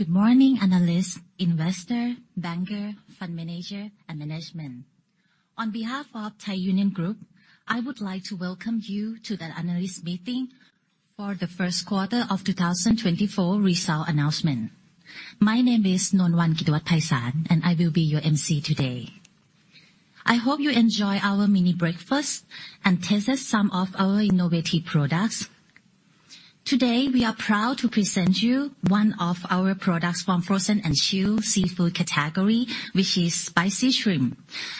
Good morning analysts, investors, bankers, fund managers and management on behalf of Thai Union Group. I would like to welcome you to the analyst meeting for the First Quarter of 2024 Results Announcement. My name is Nonwan Chitwattananon and I will be your MC today. I hope you enjoy our mini breakfast and tasted some of our innovative products. Today we are proud to present you one of our products from Frozen and Chilled seafood category which is Spicy shrimp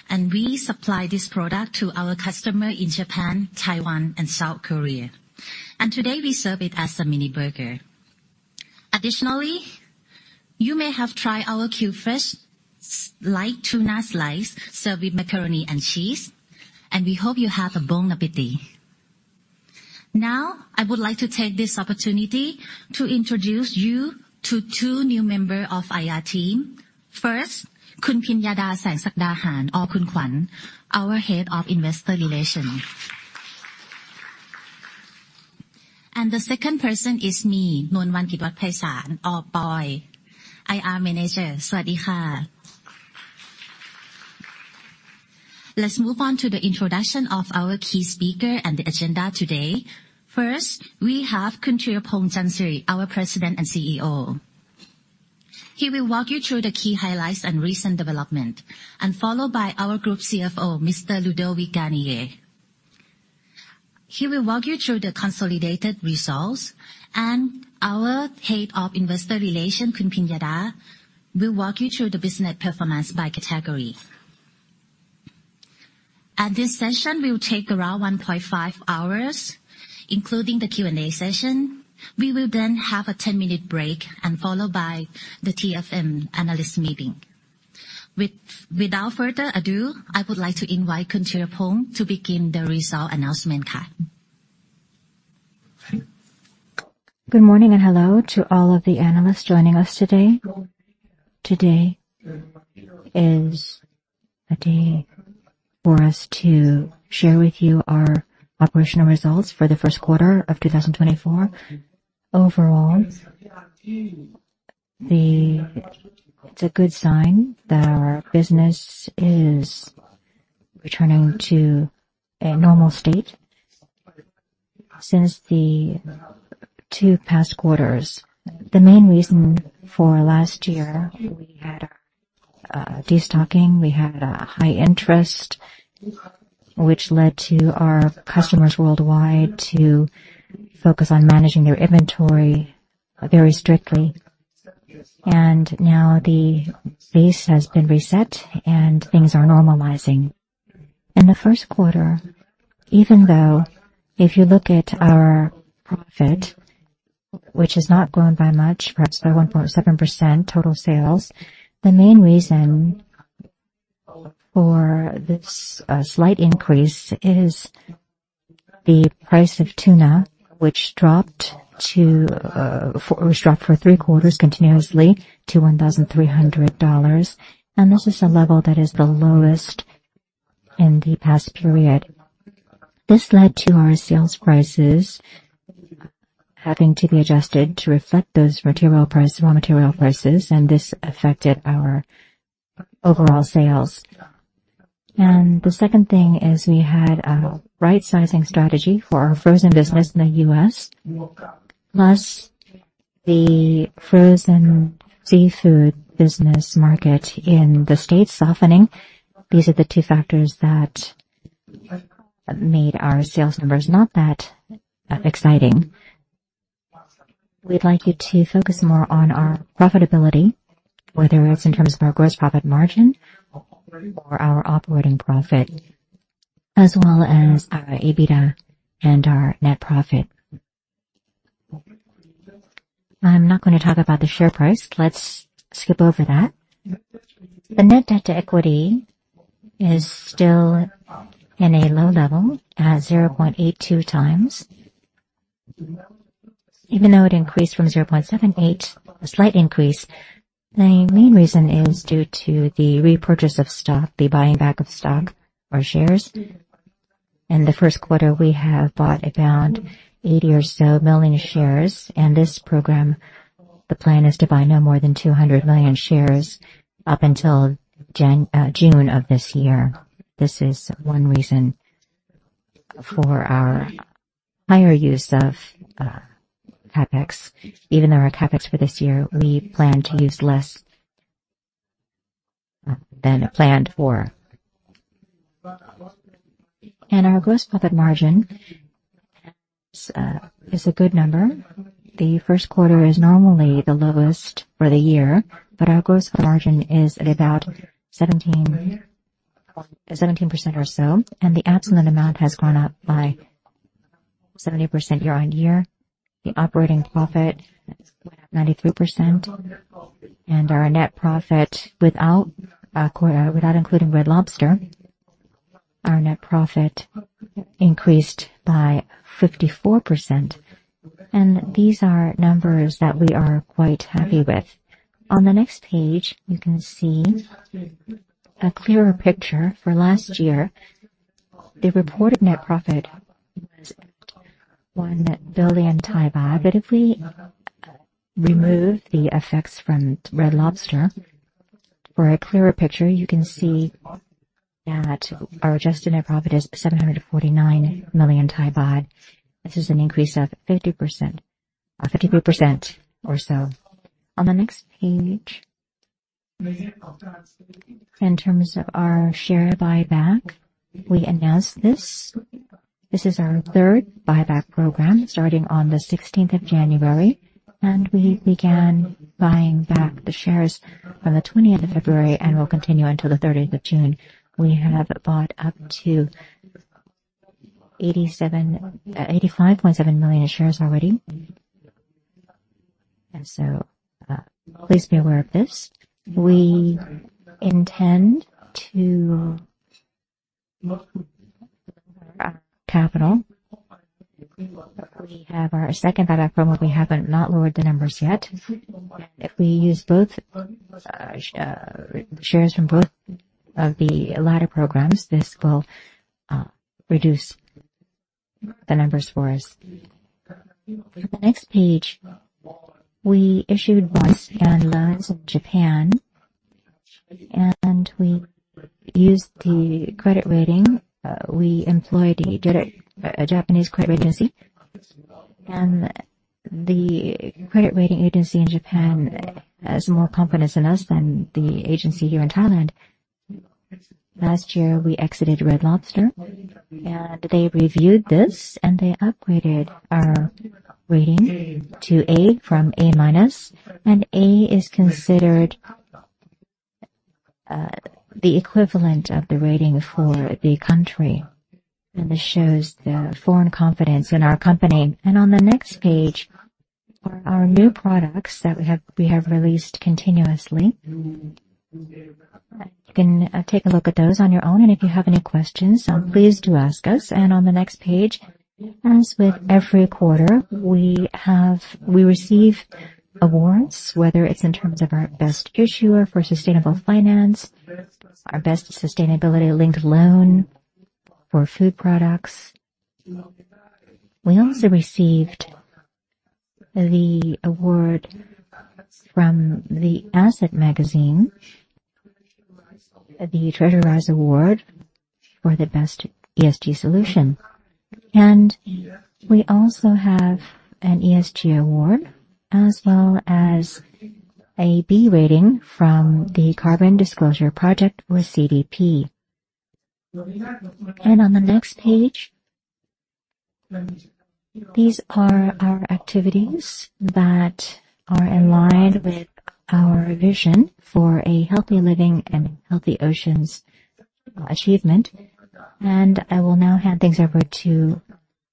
and we supply this product to our customer in Japan, Taiwan and South Korea and today we serve it as a mini burger. Additionally, you may have tried our cubed fresh light tuna slice served with macaroni and cheese and we hope you have a bon appétit. Now I would like to take this opportunity to introduce you to two new members of the IR team. First, Khun Pinhhathai Santisugdahan or Khun Kwan, our Head of Investor Relations, and the second person is me, Nonwan Chitwattananon or Boy. I am the Manager. Sawasdee. Let's move on to the introduction of our key speaker and the agenda today. First we have Khun Thiraphong Chansiri, our President and CEO. He will walk you through the key highlights and recent developments, followed by our group CFO, Mr. Ludovic Garnier. He will walk you through the consolidated results, and our Head of Investor Relations, Khun Pinhhathai, will walk you through the business performance by category, and this session will take around 1.5 hours including the Q&A session. We will then have a 10-minute break, followed by the TFM analyst meeting. Without further ado, I would like to invite Khun Thiraphong to begin the results announcement call. Good morning and hello to all of the analysts joining us today. Today is a day for us to share with you our operational results for the first quarter of 2024. Overall, it's a good sign that our business is returning to a normal state since the two past quarters. The main reason for last year we had destocking, we had a high interest which led to our customers worldwide to focus on managing their inventory very strictly and now the base has been reset and things are normalizing in the first quarter. Even though if you look at our profit which has not grown by much, perhaps by 1.7% total sales. The main reason for this slight increase is the price of tuna which dropped to rest, dropped for 3/4 continuously to $1,300 and this is a level that is the lowest in the past period. This led to our sales prices having to be adjusted to reflect those material price, raw material prices and this affected our overall sales. The second thing is we had a rightsizing strategy for our frozen business in the U.S. plus the frozen seafood business market in the States softening. These are the two factors that made our sales numbers not that exciting. We'd like you to focus more on our profitability, whether it's in terms of our gross profit margin or our operating profit, as well as our EBITDA and our net profit. I'm not going to talk about the share price. Let's skip over that. The net debt to equity is still in a low level at 0.82 times even though it increased from 0.78, a slight increase. The main reason is due to the repurchase of stock, the buying back of stock or shares. In the first quarter we have bought about 80 million shares. This program, the plan is to buy no more than 200 million shares up until June of this year. This is one reason for our higher use of CapEx. Even though our CapEx for this year we plan to use less than planned for and our gross profit margin is a good number. The first quarter is normally the lowest for the year, but our gross profit margin is at about 17% or so and the absolute amount has gone up by 70%. Year-on-year, the operating profit went up 93%. Our net profit, without including Red Lobster, increased by 54%. These are numbers that we are quite happy with. On the next page you can see a clearer picture. For last year the reported net profit was 1 billion. But if we remove the effects from Red Lobster for a clearer picture, you can see that our adjusted net profit is 749 million baht. This is an increase of 50%-53% or so. On the next page, in terms of our share buyback, we announced this. This is our third buyback program starting on the 16th of January and we began buying back the shares from the 20th of February and will continue until the 30th of June. We have bought up to 87.857 million shares already. And so please be aware of this. We intend to lower our capital. We have our second buyback program, but we have not lowered the numbers yet. If we use both shares from both of the latter programs, this will reduce the numbers for us. For the next page, we issued bonds and loans in Japan and we used the credit rating. We employed the Japanese credit agency and the credit rating agency in Japan has more confidence in us than the agency here. In Thailand last year we exited Red Lobster and they reviewed this and they upgraded our rating to A from A and A is considered the equivalent of the rating for the country. And this shows the foreign confidence in our company. And on the next page, our new products that we have, we have released continuously. You can take a look at those on your own and if you have any questions, please do ask us. And on the next page, as with every quarter we have, we receive awards, whether it's in terms of our best issuer for sustainable finance, our best sustainability-linked loan for food products. We also received the award from The Asset, the Treasure Rise Award for the best ESG solution. We also have an ESG award as well as a B rating from the Carbon Disclosure Project with CDP. On the next page these are our activities that are in line with our vision for a healthy living, healthy oceans achievement. I will now hand things over to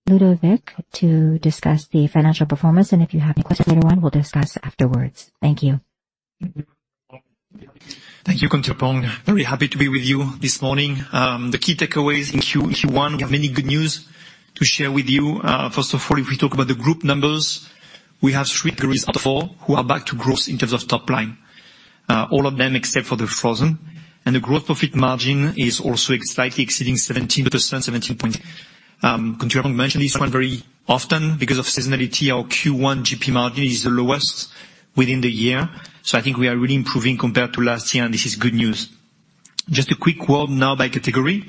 Ludovic to discuss the financial performance. If you have any questions later on, we'll discuss afterwards. Thank you. Thank you. Very happy to be with you this morning. The key takeaways in Q1 we have many good news to share with you. First of all, if we talk about the group numbers, we have three out of four who are back to growth in terms of top line. All of them except for the frozen and the gross profit margin is also slightly exceeding 17%. 17.0%. We mentioned this one very often because of seasonality. Our Q1 GP margin is the lowest within the year. So I think we are really improving compared to last year and this is good news. Just a quick word now by category,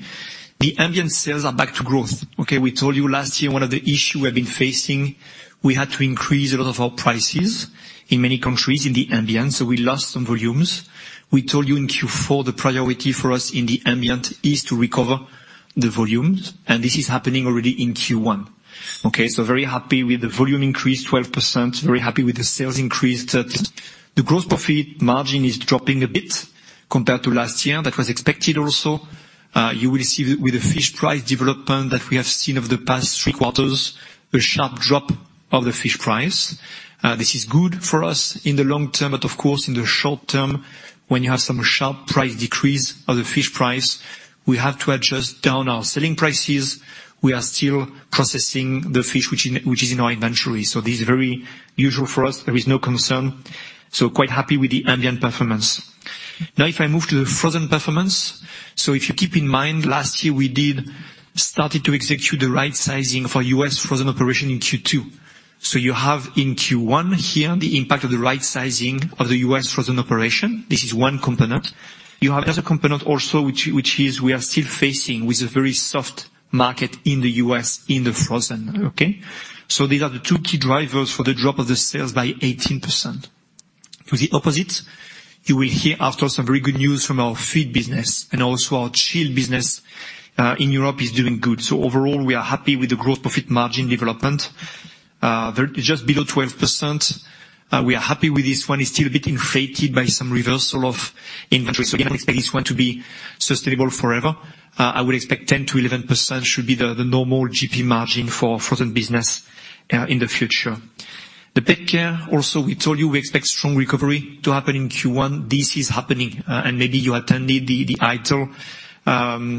the ambient sales are back to growth. Okay, we told you last year one of the issues we have been facing with we had to increase a lot of our prices in many countries in the ambient. So we lost some volumes. We told you in Q4 the priority for us in the ambient is to recover the volumes and this is happening already in Q1. Okay, so very happy with the volume increase 12%, very happy with the sales increase. The gross profit margin is dropping a bit compared to last year. That was expected. Also you will see with the fish price development that we have seen over the past three quarters, a sharp drop of the fish price. This is good for us in the long term, but of course in the short term when you have some sharp price decrease of the fish price, we have to adjust down our selling prices. We are still processing the fish which is in our inventory. So this is very usual for us. There is no concern. So quite happy with the ambient performance. Now if I move to the frozen performance. So if you keep in mind, last year we did started to execute the rightsizing for U.S. frozen operation in Q2. So you have in Q1 here the impact of the rightsizing of the U.S. frozen operation. This is one component. You have another component also which is we are still facing with a very soft market in the U.S. in the frozen. Okay, so these are the two key drivers for the drop of the sales by 18% to the opposite. You will hear after some very good news from our feed business. And also our chill business in Europe is doing good. So overall we are happy with the gross profit margin development just below 12%. We are happy with. This one is still a bit inflated by some reversal of inventory. So you don't expect this one to be sustainable forever? I would expect 10%-11% should be the normal GP margin for frozen business in the future. The pet care also we told you we expect strong recovery to happen in Q1. This is happening. Maybe you attended the i-Tail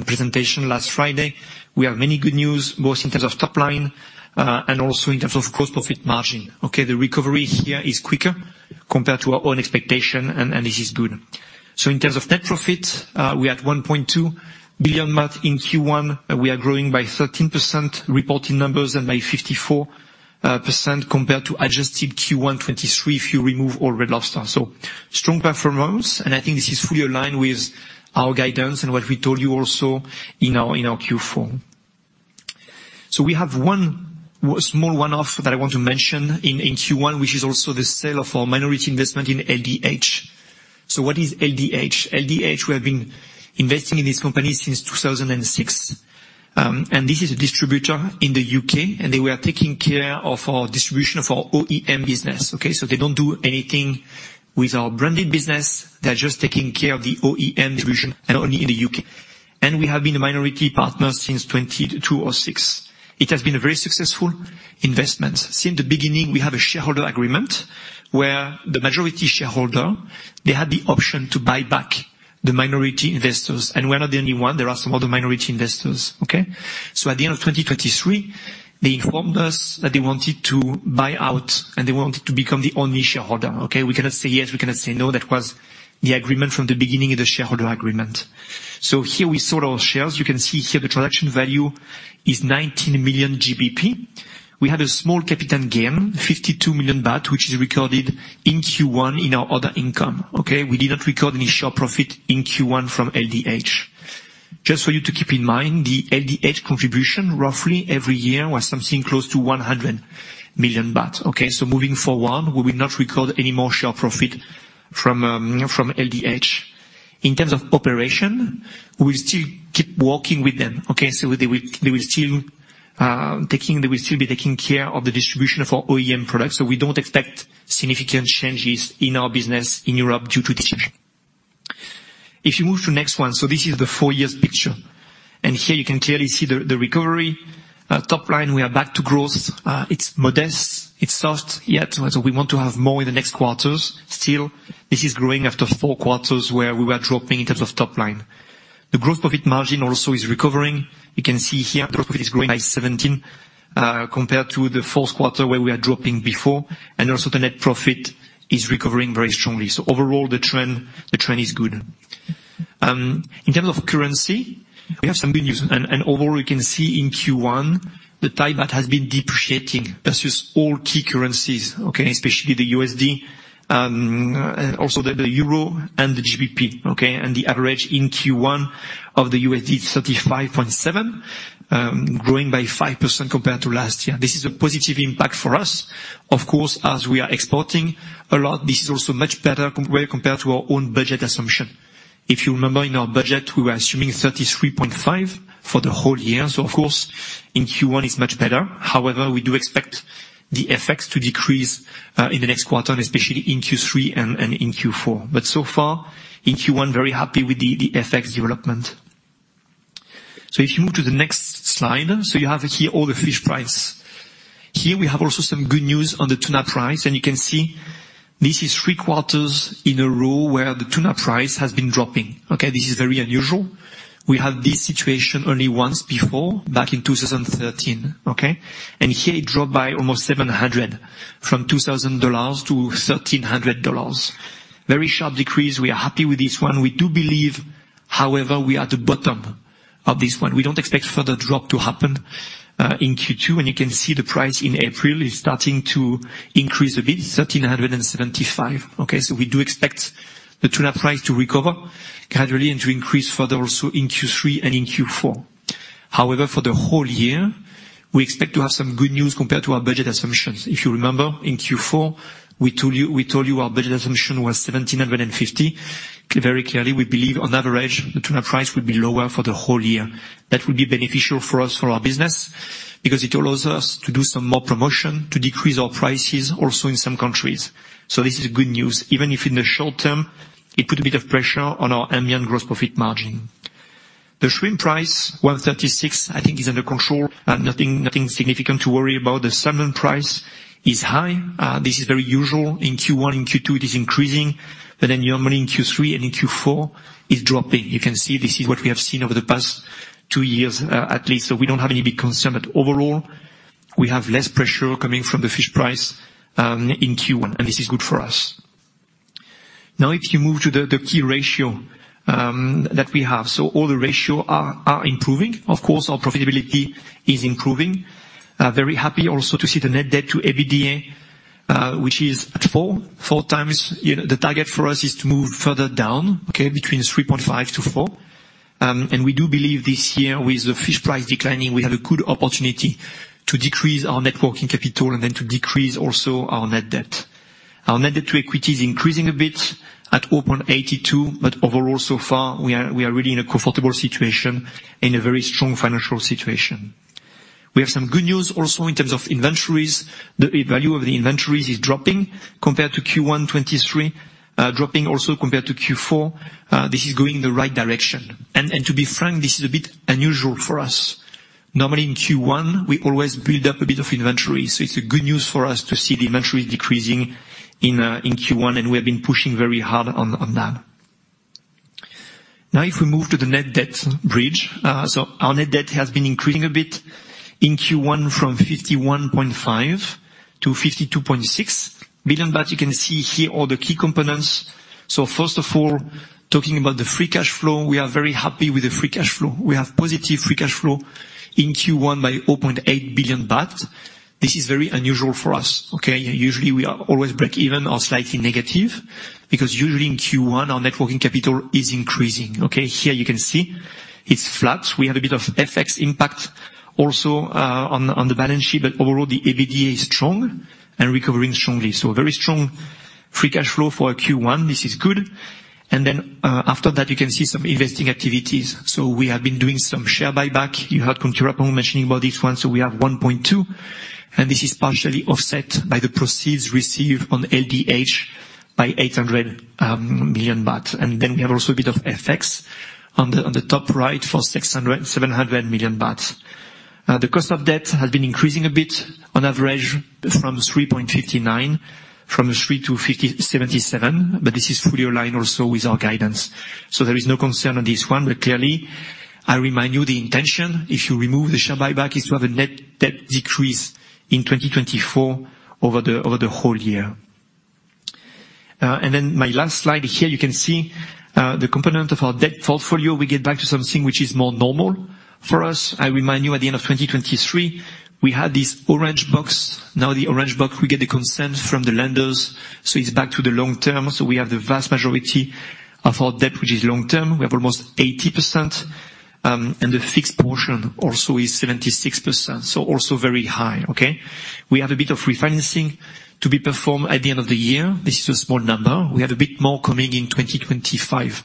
presentation last Friday. We have many good news both in terms of top line and also in terms of gross profit margin. Okay, the recovery here is quicker compared to our own expectation and this is good. So in terms of net profit, we had 1.2 billion in Q1. We are growing by 13% reported numbers and by 54% compared to adjusted Q1 2023 if you remove all Red Lobster. So strong performance. And I think this is fully aligned with our guidance and what we told you also in our Q4. So we have one small one-off that I want to mention in Q1, which is also the sale of our minority investment in LDH. So what is LDH? LDH? We have been investing in this company since 2006, and this is a distributor in the U.K., and they were taking care of our distribution of our OEM business. So. Okay, so they don't do anything with our branded business. They're just taking care of the OEM division and only in the U.K. And we have been a minority partner since 2006. It has been a very successful investment since the beginning. We have a shareholder agreement where the majority shareholder, they had the option to buy back the minority investors. And we're not the only one. There are some other minority investors. Okay, so at the end of 2023 they informed us that they wanted to buy out and they wanted to become the only shareholder. Okay, we cannot say yes, we cannot say no. That was the agreement from the beginning of the shareholder agreement. So here we sold our shares. You can see here the transaction value is 19 million GBP. We had a small capital gain, 52 million baht which is recorded in Q1. In our other income, okay, we did not record any share profit in Q1 from LDH. Just for you to keep in mind, the LDH contribution roughly every year was something close to 100 million baht. Okay? So moving forward, we will not record any more share profit from LDH. In terms of operation, we still keep working with them. Okay? So they will still be taking care of the distribution of our OEM products. So we don't expect significant changes in our business in Europe due to this issue. If you move to next one. So this is the four years picture and here you can clearly see the recovery. Top line we are back to growth. It's modest, it's soft yet. So we want to have more in the next quarters. Still this is growing after four quarters where we were dropping in terms of top line. The gross profit margin also is recovering. You can see here is growing by 17 compared to the fourth quarter where we are dropping before. And also the net profit is recovering very strongly. So overall the trend is good. In terms of currency, we have some good news. Overall you can see in Q1 the Thai baht has been depreciating versus all key currencies, especially the USD, also the euro and the GBP. The average in Q1 of the USD is 35.7 growing by 5% compared to last year. This is a positive impact for us, of course, as we are exporting a lot. This is also much better compared to our own budget assumption. If you remember, in our budget we were assuming 33.5 for the whole year. Of course in Q1 is much better. However, we do expect the FX to decrease in the next quarter and especially in Q3 and in Q4. But so far in Q1 very happy with the FX development. If you move to the next slide. You have here all the fish price here we have also some good news on the tuna price. You can see this is 3/4 in a row where the tuna price has been dropping. Okay, this is very unusual. We have this situation only once before back in 2013, okay. And here it dropped by almost $700 from $2,000 to $1,300. Very sharp decrease. We are happy with this one. We do believe, however, we are at the bottom of this one. We don't expect further drop to happen in Q2. And you can see the price in April is starting to increase a bit. $1,375. Okay. So we do expect the tuna price to recover gradually and to increase further also in Q3 and in Q4. However, for the whole year we expect to have some good news compared to our budget assumptions. If you remember, in Q4 we told you our budget assumption was $1,750. Very clearly we believe on average the tuna price would be lower for the whole year. That would be beneficial for us for our business because it allows us to do some more promotion to decrease our prices also in some countries. So this is good news, even if in the short term it put a bit of pressure on our ambient gross profit margin. The shrimp price $1.36, I think is under control. Nothing significant to worry about. The Salmon price is high. This is very usual in Q1. In Q2 it is increasing. But then normally in Q3 and in Q4 is dropping. You can see this is what we have seen over the past two years at least. So we don't have any big concern. But overall we have less pressure coming from the fish price in Q1 and this is good for us. Now if you move to the key ratio that we have, so all the ratios are improving, of course, our profitability is improving. Very happy also to see the net debt to EBITDA, which is at 4.4 times. The target for us is to move further down between 3.5-4. And we do believe this year with the fish price declining, we have a good opportunity to decrease our net working capital and then to decrease also our net debt. Our net debt to equity is increasing a bit at 0.82. But overall so far we are really in a comfortable situation, in a very strong financial situation. We have some good news also in terms of inventories. The value of the inventories is dropping compared to Q1 2023, dropping also compared to Q4. This is going the right direction. And to be frank, this is a bit unusual for us. Normally in Q1 we always build up a bit of inventory. So it's a good news for us to see the inventory decreasing in Q1 and we have been pushing very hard on that. Now if we move to the net debt bridge. So our net debt has been increasing a bit in Q1 from 51.5 billion-52.6 billion baht. You can see here all the key components. So first of all, talking about the free cash flow, we are very happy with the free cash flow. We have positive free cash flow in Q1 by 0.8 billion baht. This is very unusual for us. Okay. Usually we are always break even or slightly negative because usually in Q1 our net working capital is increasing. Okay, here you can see it's flat. We have a bit of FX impact also on the balance sheet. But overall the EBITDA is strong and recovering strongly. So very strong free cash flow for Q1. This is good. And then after that you can see some investing activities. So we have been doing some share buyback. You had Thiraphong mentioning about this one. So we have 1.2 billion and this is partially offset by the proceeds received on LDH by 800 million baht. And then we have also a bit of FX on the top right for 600 million-700 million baht, the cost of debt has been increasing a bit on average from 3.59%, from 3% to 7.7%. But this is fully aligned also with our guidance. So there is no concern on this one. But clearly I remind you, the intention if you remove the SH buyback is to have a net debt decrease in 2024 over the whole year. Then my last slide here you can see the component of our debt portfolio. We get back to something which is more normal for us. I remind you, at the end of 2023 we had this orange box. Now the orange box we get the consent from the lenders. So it's back to the long term. So we have the vast majority of our debt which is long term. We have almost 80% and the fixed portion also is 76%. So also very high. Okay, we have a bit of refinancing to be performed at the end of the year. This is a small number. We have a bit more coming in 2025.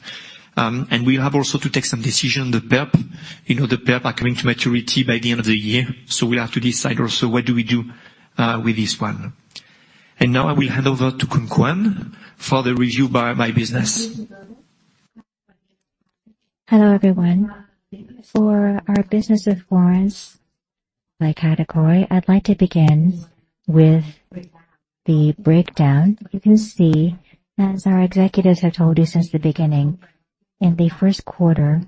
We have also to take some decision on the Perps. You know, the Peps are coming to maturity by the end of the year. So we have to decide also what do we do with this one. And now I will hand over to Khun Kwan for the review by my business. Hello everyone. For our frozen business. By category, I'd like to begin with the breakdown. You can see as our executives have told you since the beginning. In the first quarter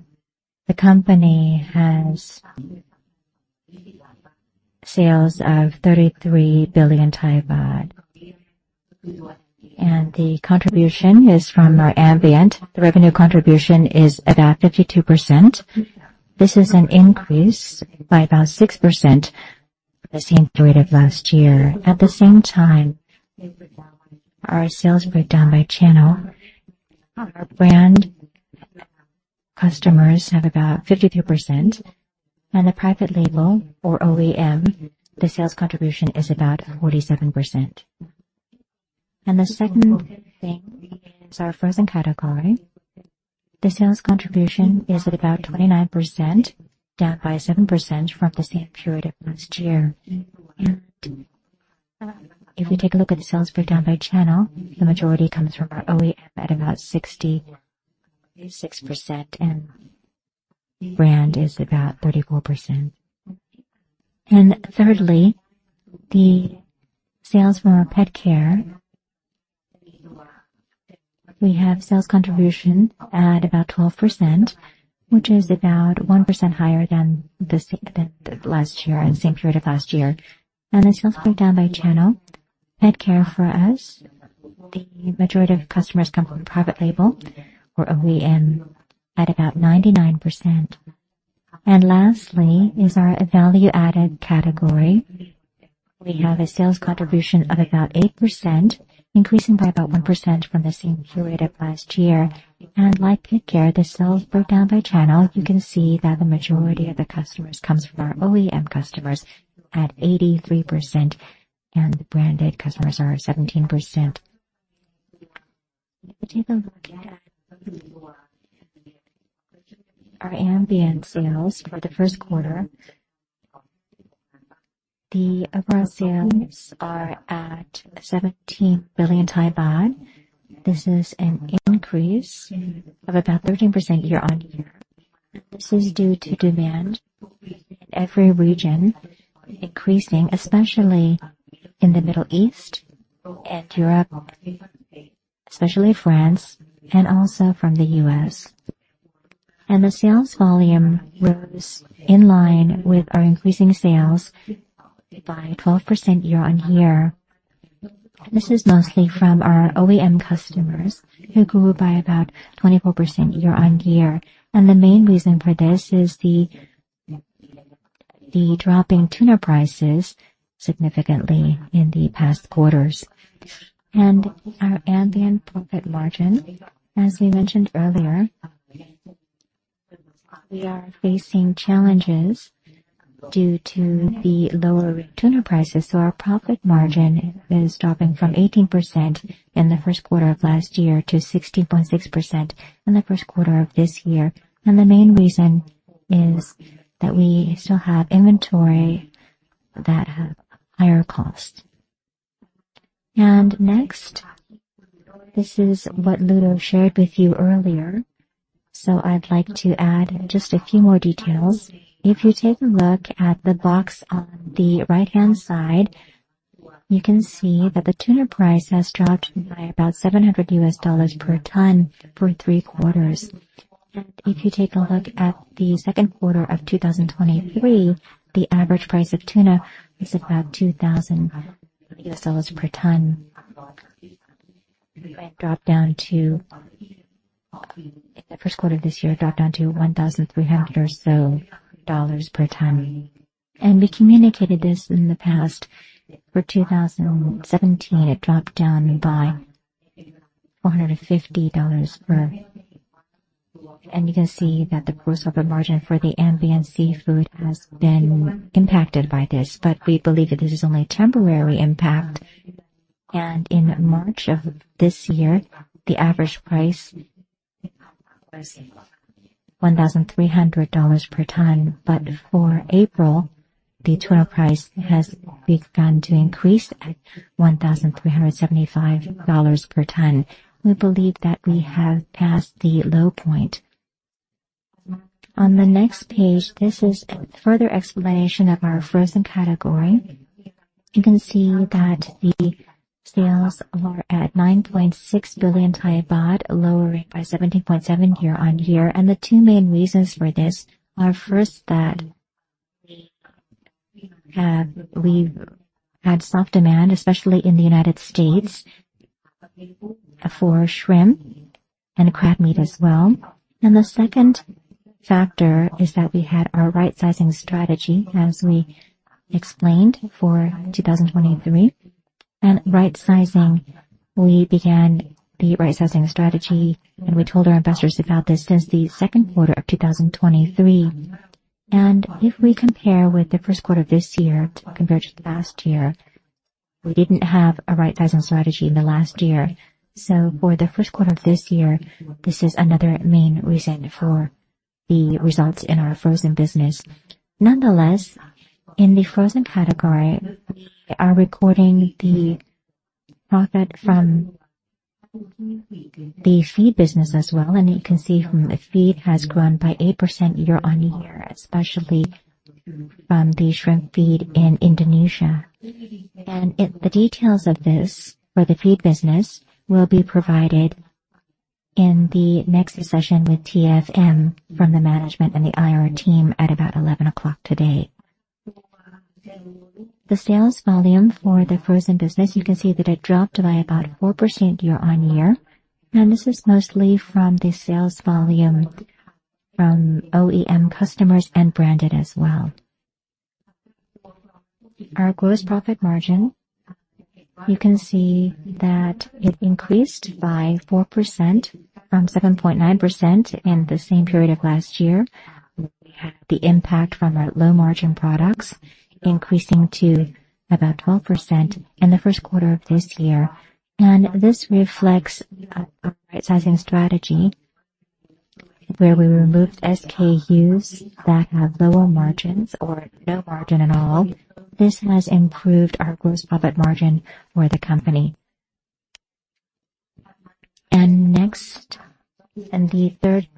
the company has sales of 33 billion baht. The contribution is from our ambient. The revenue contribution is about 52%. This is an increase by about 6% the same period of last year. At the same time, our sales breakdown by channel, our brand customers have about 52%. The private label or OEM, the sales contribution is about 47%. The second thing is our frozen category. The sales contribution is at about 29% down by 7% from the same period last year. If we take a look at the sales breakdown by channel, the majority comes from our OEM at about 66% in brand is about 34%. And thirdly, the sales from our pet care. We have sales contribution at about 12% which is about 1% higher than the last year. Same period of last year and the sales breakdown by channel PetCare. For us, the majority of customers come from private label or OEM at about 99%. And lastly is our value added category. We have a sales contribution of about 8% increasing by about 1% from the same period of last year. And like Petcare, the sales breakdown by channel, you can see that the majority of the customers comes from our OEM customers at 83% and the branded customers are 17%. Take a look at our ambient sales for the first quarter. The overall sales are at 17 billion baht. This is an increase of about 13% year-on-year. This is due to demand in every region increasing, especially in the Middle East and Europe, especially France and also from the U.S. The sales volume rose in line with our increasing sales by 12% year-on-year. This is mostly from our OEM customers who grew by about 24% year-on-year. The main reason for this is the dropping tuna prices significantly in the past quarters and our ambient profit margin. As we mentioned earlier, we are facing challenges due to the lower tuna prices. Our profit margin is dropping from 18% in the first quarter of last year to 16.6% in the first quarter of this year. The main reason is that we still have inventory that have higher cost. Next, this is what Ludo shared with you earlier. I'd like to add just a few more details. If you take a look at the box on the right hand side, you can see that the tuna price has dropped by about $700 per ton for three quarters. If you take a look at the second quarter of 2023, the average price of tuna was about $2,000 per ton, dropped down to the first quarter of this year, dropped down to $1,300 or so per ton. And we communicated this in the past, for 2017 it dropped down by $450 per. And you can see that the gross profit margin for the ambient seafood has been impacted by this. But we believe that this is only temporary impact. And in March of this year the average price $1,300 per ton. But for April the total price has begun to increase at $1,375 per ton. We believe that we have passed the low point. On the next page, this is further explanation of our frozen category. You can see that the sales are at 9.6 billion baht, lowering by 17.7% year-on-year. The two main reasons for this. Our first, that we had soft demand, especially in the United States for shrimp and crab meat as well. The second factor is that we had our rightsizing strategy as we explained for 2023 and rightsizing. We began the rightsizing strategy and we told our investors about this since the second quarter of 2023. If we compare with the first quarter of this year, compared to last year, we didn't have a rightsizing strategy in the last year. For the first quarter of this year, this is another main reason for the results in our frozen business. Nonetheless, in the frozen category are recording the profit from the feed business as well. You can see from the feed has grown by 8% year-on-year. It's about especially from the shrimp feed in Indonesia. And the details of this for the feed business will be provided in the next session with TFM from the management and the IR team. At about 11:00 A.M. today, the sales volume for the frozen business you can see that it dropped by about 4% year-on-year. And this is mostly from the sales volume from OEM customers and branded as well. Our gross profit margin, you can see that it increased by 4% from 7.9% in the same period of last year. The impact from our low margin products increasing to about 12% in the first quarter of this year. This reflects our rightsizing strategy where we removed SKUs that have lower margins or no margin at all. This has improved our gross profit margin for the company. Next and the third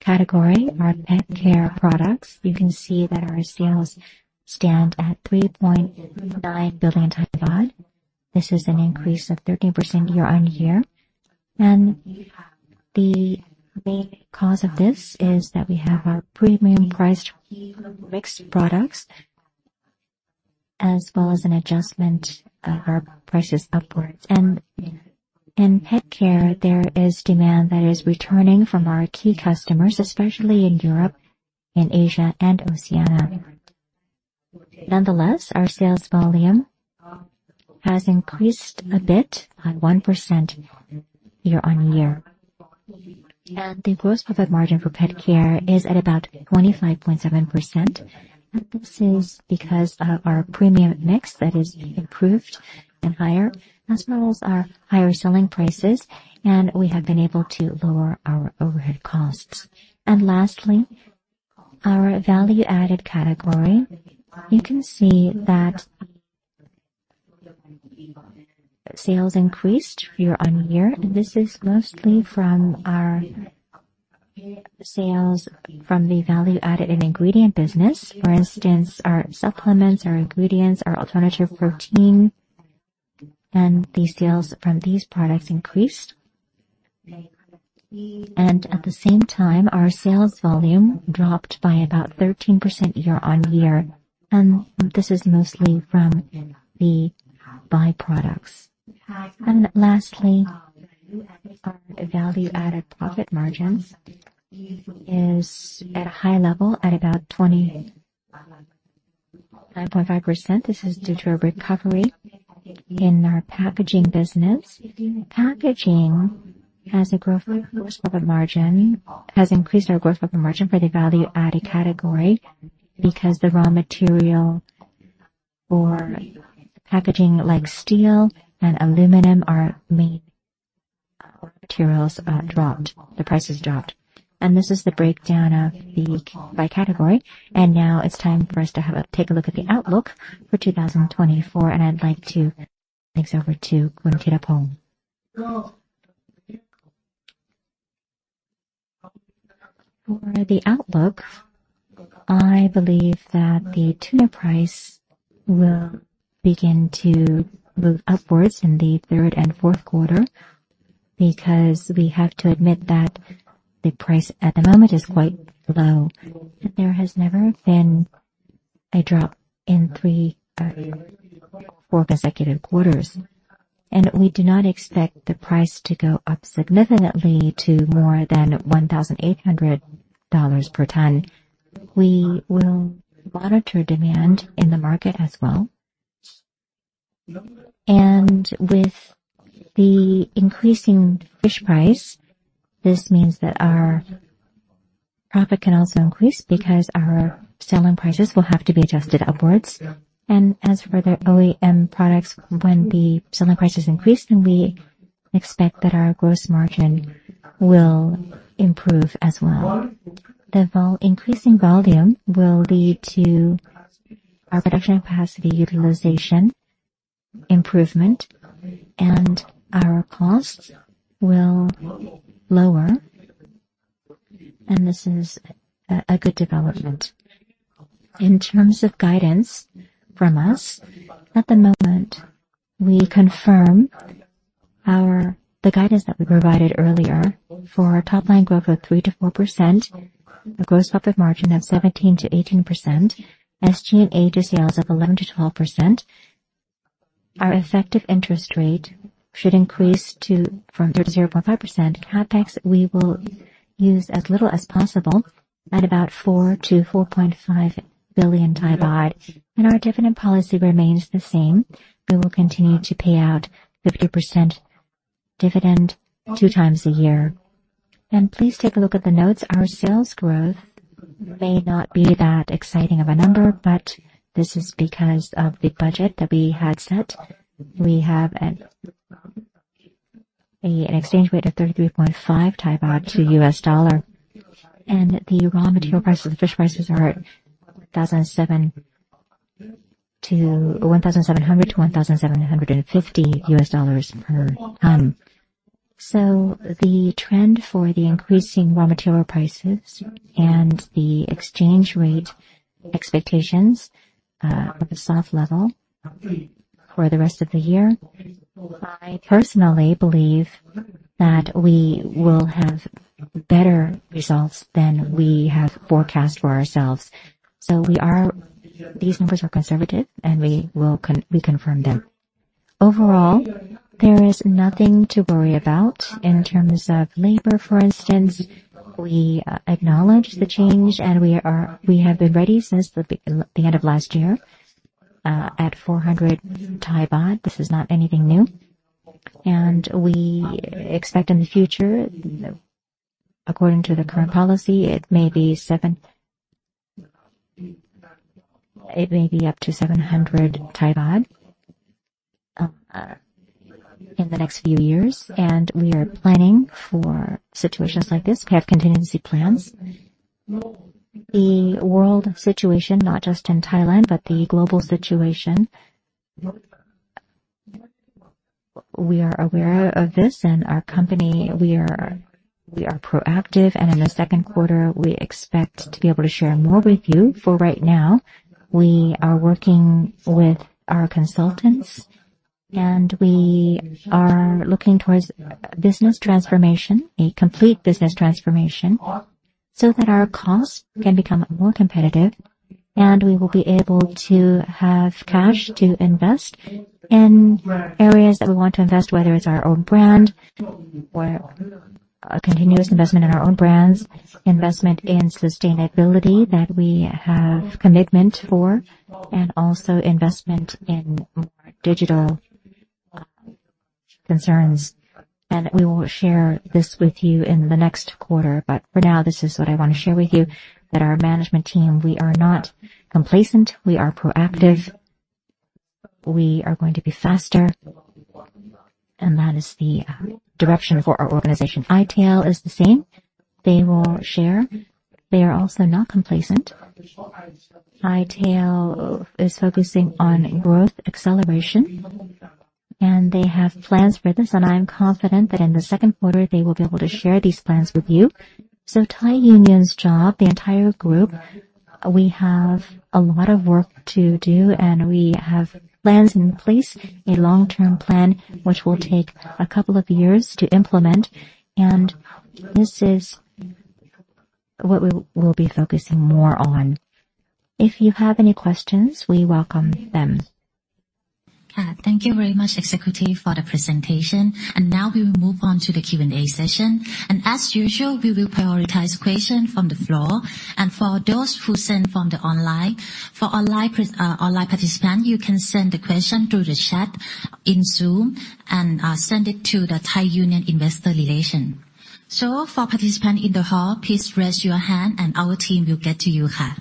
category are pet care products. You can see that our sales stand at 3.9 billion baht. This is an increase of 13% year-on-year. And the main cause of this is that we have our premium-priced mixed products as well as an adjustment of our prices upwards. And in pet care there is demand that is returning from our key customers, especially in Europe, in Asia and Oceania. Nonetheless, our sales volume has increased a bit by 1% year-on-year. And the gross profit margin for pet care is at about 25.7%. This is because of our premium mix that is improved and higher as models are higher selling prices. We have been able to lower our overhead costs. Lastly, our value-added category, you can see that sales increased year-on-year. This is mostly from our sales from the value-added ingredient business, for instance our supplements, our ingredients, our alternative protein and the sales from these products increased and at the same time our sales volume dropped by about 13% year-on-year. This is mostly from the byproducts. Lastly, our value-added profit margins is at a high level at about 29.5%. This is due to a recovery in our packaging business. Packaging as a gross profit margin has increased our gross profit margin for the value-added category because the raw material for packaging like steel and aluminum are made materials dropped, the prices dropped and this is the breakdown of the by category. Now it's time for us to take a look at the outlook for 2024. I'd like to hand over to Thiraphong for the outlook. I believe that the tuna price will begin to move upwards in the third and fourth quarter because we have to admit that the price at the moment is quite low. There has never been a drop in three, four consecutive quarters. And we do not expect the price to go up significantly to more than $1,800 per ton. We will monitor demand in the market as well. And with the increasing fish price this means that our profit can also increase because our selling prices will have to be adjusted upwards. And as for the OEM products, when the selling prices increase then we expect that our gross margin will improve as well. The increasing volume will lead to our production capacity utilization improvement and our costs will lower. This is a good development in terms of guidance from us. At the moment we confirm our guidance that we provided earlier for top line growth of 3%-4%, a gross profit margin of 17%-18%, SG&A and EBITDA of 11%-12%. Our effective interest rate should increase from 0.5%. CapEx we will use as little as possible at about 4 billion-4.5 billion baht. Our dividend policy remains the same. We will continue to pay out 50% dividend two times a year. Please take a look at the notes. Our sales growth may not be that exciting of a number, but this is because of the budget that we had set. We have an exchange rate of 33.5 baht to U.S. dollar and the raw material prices. The fish prices are $1,700-$1,750 per ton. So the trend for the increasing raw material prices and the exchange rate expectations of a soft level for the rest of the year. I personally believe that we will have better results than we have forecast for ourselves. So we are. These numbers are conservative and we will reconfirm them. Overall, there is nothing to worry about. In terms of labor, for instance, we acknowledge the change and we are, we have been ready since the end of last year at 400 baht. This is not anything new and we expect in the future according to the current policy it may be 7. It may be up to 700 baht the next few years. We are planning for situations like this. We have contingency plans. The world situation, not just in Thailand, but the global situation. We are aware of this and our company, we are, we are proactive and in the second quarter we expect to be able to share more with you. For right now we are working with our consultants and we are looking towards business transformation, a complete business transformation so that our cost can become more competitive and we will be able to have cash to invest in areas that we want to invest, whether it's our own brand or a continuous investment in our own brands. Investment in sustainability that we have commitment for and also investment in digital concerns. We will share this with you in the next quarter. But for now, this is what I want to share with you: that our management team, we are not complacent, we are proactive, we are going to be faster, and that is the direction for our organization. i-Tail is the same. They will share, they are also not complacent. It's focusing on growth acceleration, and they have plans for this. I'm confident that in the second quarter, they will be able to share these plans with you. Thai Union's job, the entire group, we have a lot of work to do, and we have plans in place, a long-term plan which will take a couple of years to implement. And this is what we will be focusing more on. If you have any questions, we welcome them. Thank you very much, executive, for the presentation. Now we will move on to the Q and A session and as usual we will prioritize questions from the floor and for those who send from the online. For online participants you can send the question through the chat in Zoom and send it to the Thai Union Investor Relations. For participants in the hall please raise your hand and our team will get to you. Hello.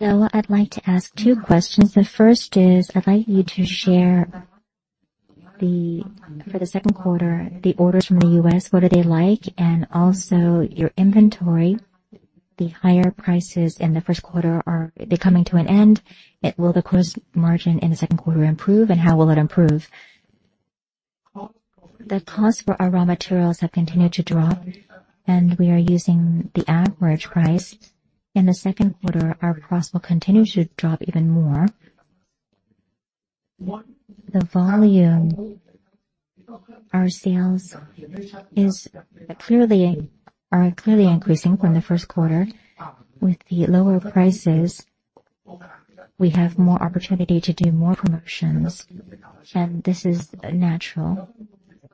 I'd like to ask two questions. The first is I'd like you to share the for the second quarter, the orders from the U.S. what are they like? And also your inventory. The higher prices in the first quarter, are they coming to an end? Will the gross margin in the second quarter improve and how will it improve? The cost for our raw materials have continued to drop and we are using the average price in the second quarter, our cost will continue to drop even more. The volume, our sales are clearly increasing from the first quarter. With the lower prices, we have more opportunity to do more promotions. This is natural.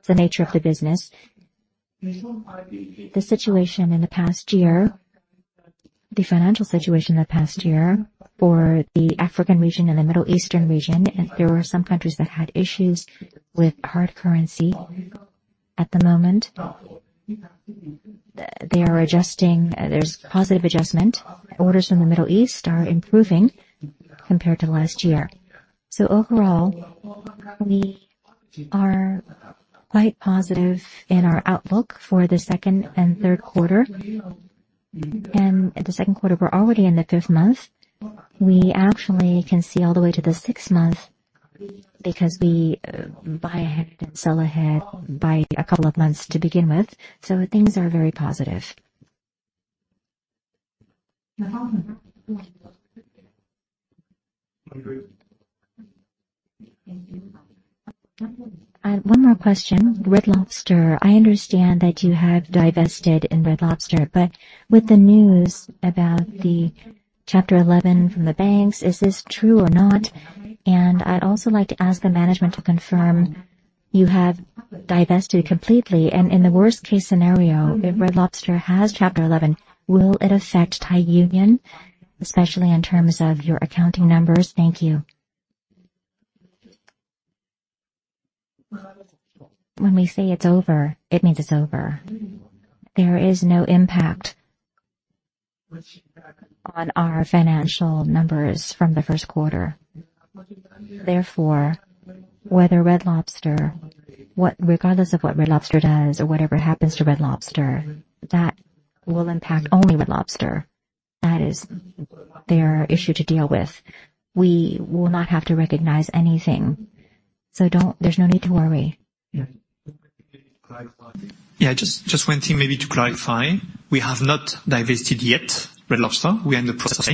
The nature of the business, the situation in the past year, the financial situation the past year for the African region and the Middle Eastern region, and there were some countries that had issues with hard currency. At the moment, they are adjusting. There's positive adjustment. Orders from the Middle East are improving compared to last year. So overall we are quite positive in our outlook for the second and third quarter. The second quarter. We're already in the fifth month. We actually can see all the way to the sixth month because we buy ahead and sell ahead by a couple of months to begin with. So things are very positive. One more question. Red Lobster, I understand that you have divested in Red Lobster, but with the news about the Chapter 11 from the banks, is this true or not? I'd also like to ask the management to confirm you have divested completely. In the worst case scenario, if Red Lobster has Chapter 11, will it affect Thai Union, especially in terms of your accounting numbers? Thank you. When we say it's over, it means it's over. There is no impact on our financial numbers from the first quarter. Therefore, whether Red Lobster. What. Regardless of what Red Lobster does or whatever happens to Red Lobster, that will impact only Red Lobster. That is their issue to deal with. We will not have to recognize anything. So don't. There's no need to worry. Yeah, just. Just one thing maybe to clarify. We have not divested yet. Red Lobster, we are in the process.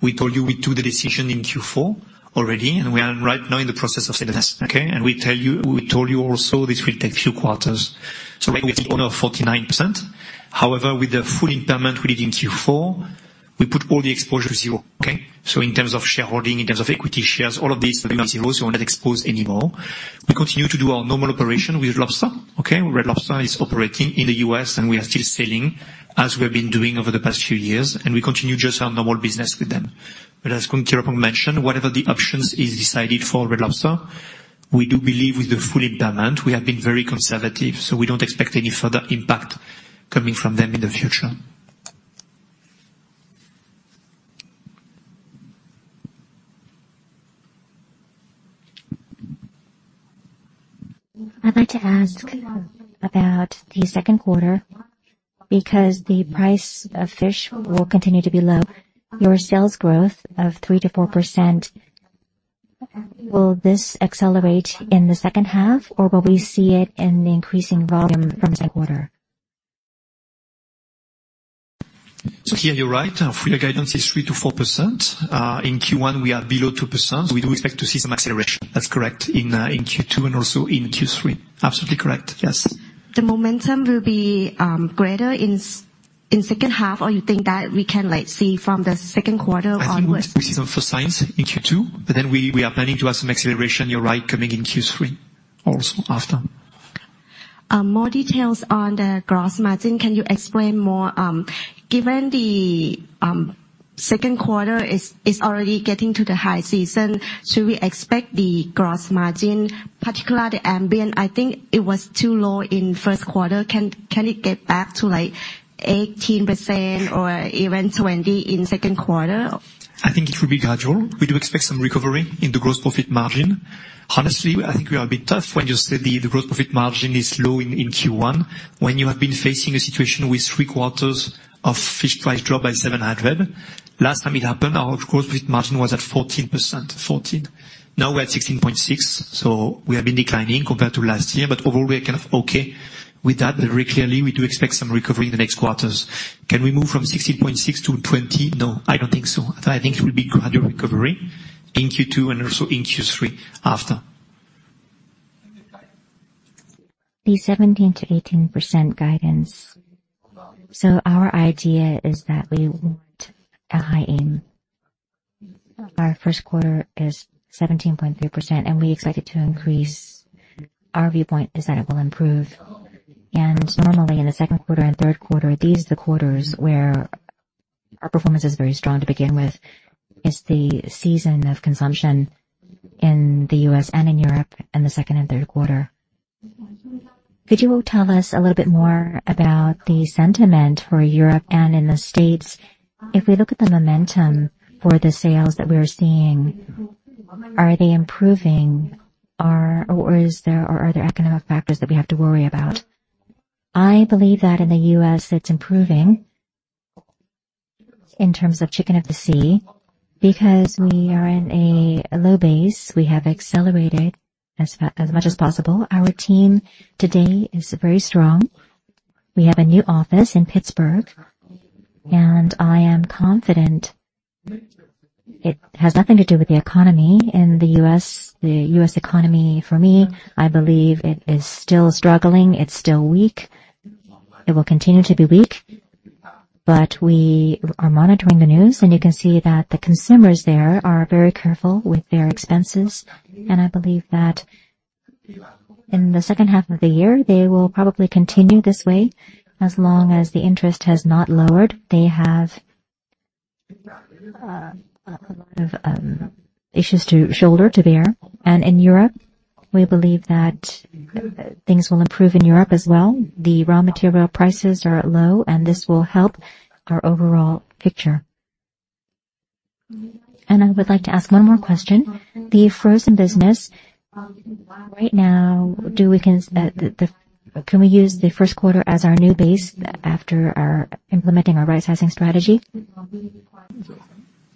We told you we took the decision in Q4 already and we are right now in the process of. Okay. And we tell you, we told you also this will take few quarters. So we did order 49%. However, with the full impairment we did in Q4, we put all the exposure to zero. Okay. So in terms of shareholding, in terms of equity shares, all of these exposure anymore, we continue to do our normal operation with Lobster. Okay. Red Lobster is operating in the U.S. and we are still selling as we have been doing over the past few years. And we continue just our normal business with them. But as Khun Thiraphong mentioned, whatever the options is decided for Red Lobster, we do believe with the full impairment, we have been very conservative. So we don't expect any further impact coming from them in the future. I'd like to ask about the second quarter because the price of fish will continue to be low. Your sales growth of 3%-4%. Will this accelerate in the second half or will we see it in the increasing volume from the quarter? So here you're right. Full year guidance is 3%-4% in Q1. We are below 2%. We do expect to see some acceleration. That's correct. In Q2 and also in Q3. Absolutely correct. Yes. The momentum will be greater in. In second half, or you think that. We can like see from the second quarter onwards. We see some first signs in Q2 but then we are planning to have some acceleration. You're right. Coming in Q3 or also after more. Details on the gross margin. Can you explain more? Given the second quarter is already getting to the high season, should we expect? The gross margin particular ambient? I think it was too low in first quarter. Can it get back to like 18% or even 20% in second quarter? I think it should be gradual. We do expect some recovery in the gross profit margin. Honestly, I think we are a bit tough. When you said the gross profit margin is low in Q1 when you have been facing a situation with 3/4 of fish price drop by 700. Last time it happened our gross profit margin was at 14%. Now we're at 16.6%. So we have been declining compared to last year. But overall we are kind of okay with that. Very clearly we do expect some recovery in the next quarters. Can we move from 16.6% to. No, I don't think so. I think it will be gradual recovery in Q2 and also in Q3 after. The 17%-18% guidance. So our idea is that we want a high aim. Our first quarter is 17.3% and we expect it to increase. Our viewpoint is that it will improve and normally in the second quarter and third quarter these the quarters where our performance is very strong to begin with is the season of consumption in the U.S. and in Europe and the second and third quarter. Could you tell us a little bit more about the sentiment for Europe and in the States? If we look at the momentum for the sales that we are seeing, are they improving or is there are other economic factors that we have to worry about? I believe that in the U.S. it's improving in terms of Chicken of the Sea. Because we are in a low base. We have accelerated as much as possible. Our team today is very strong. We have a new office in Pittsburgh and I am confident it has nothing to do with the economy in the U.S. The U.S. economy, for me, I believe it is still struggling. It's still weak. It will continue to be weak. But we are monitoring the news and you can see that the consumers there are very careful with their expenses. And I believe that in the second half of the year they will probably continue this way as long as the interest has not lowered. They have a lot of issues to shoulder to bear. And in Europe we believe that things will improve in Europe as well. The raw material prices are low and this will help our overall picture. And I would like to ask one more question. The frozen business right now. Do we. Can. Can we use the first quarter as our new base after our implementing our rightsizing strategy?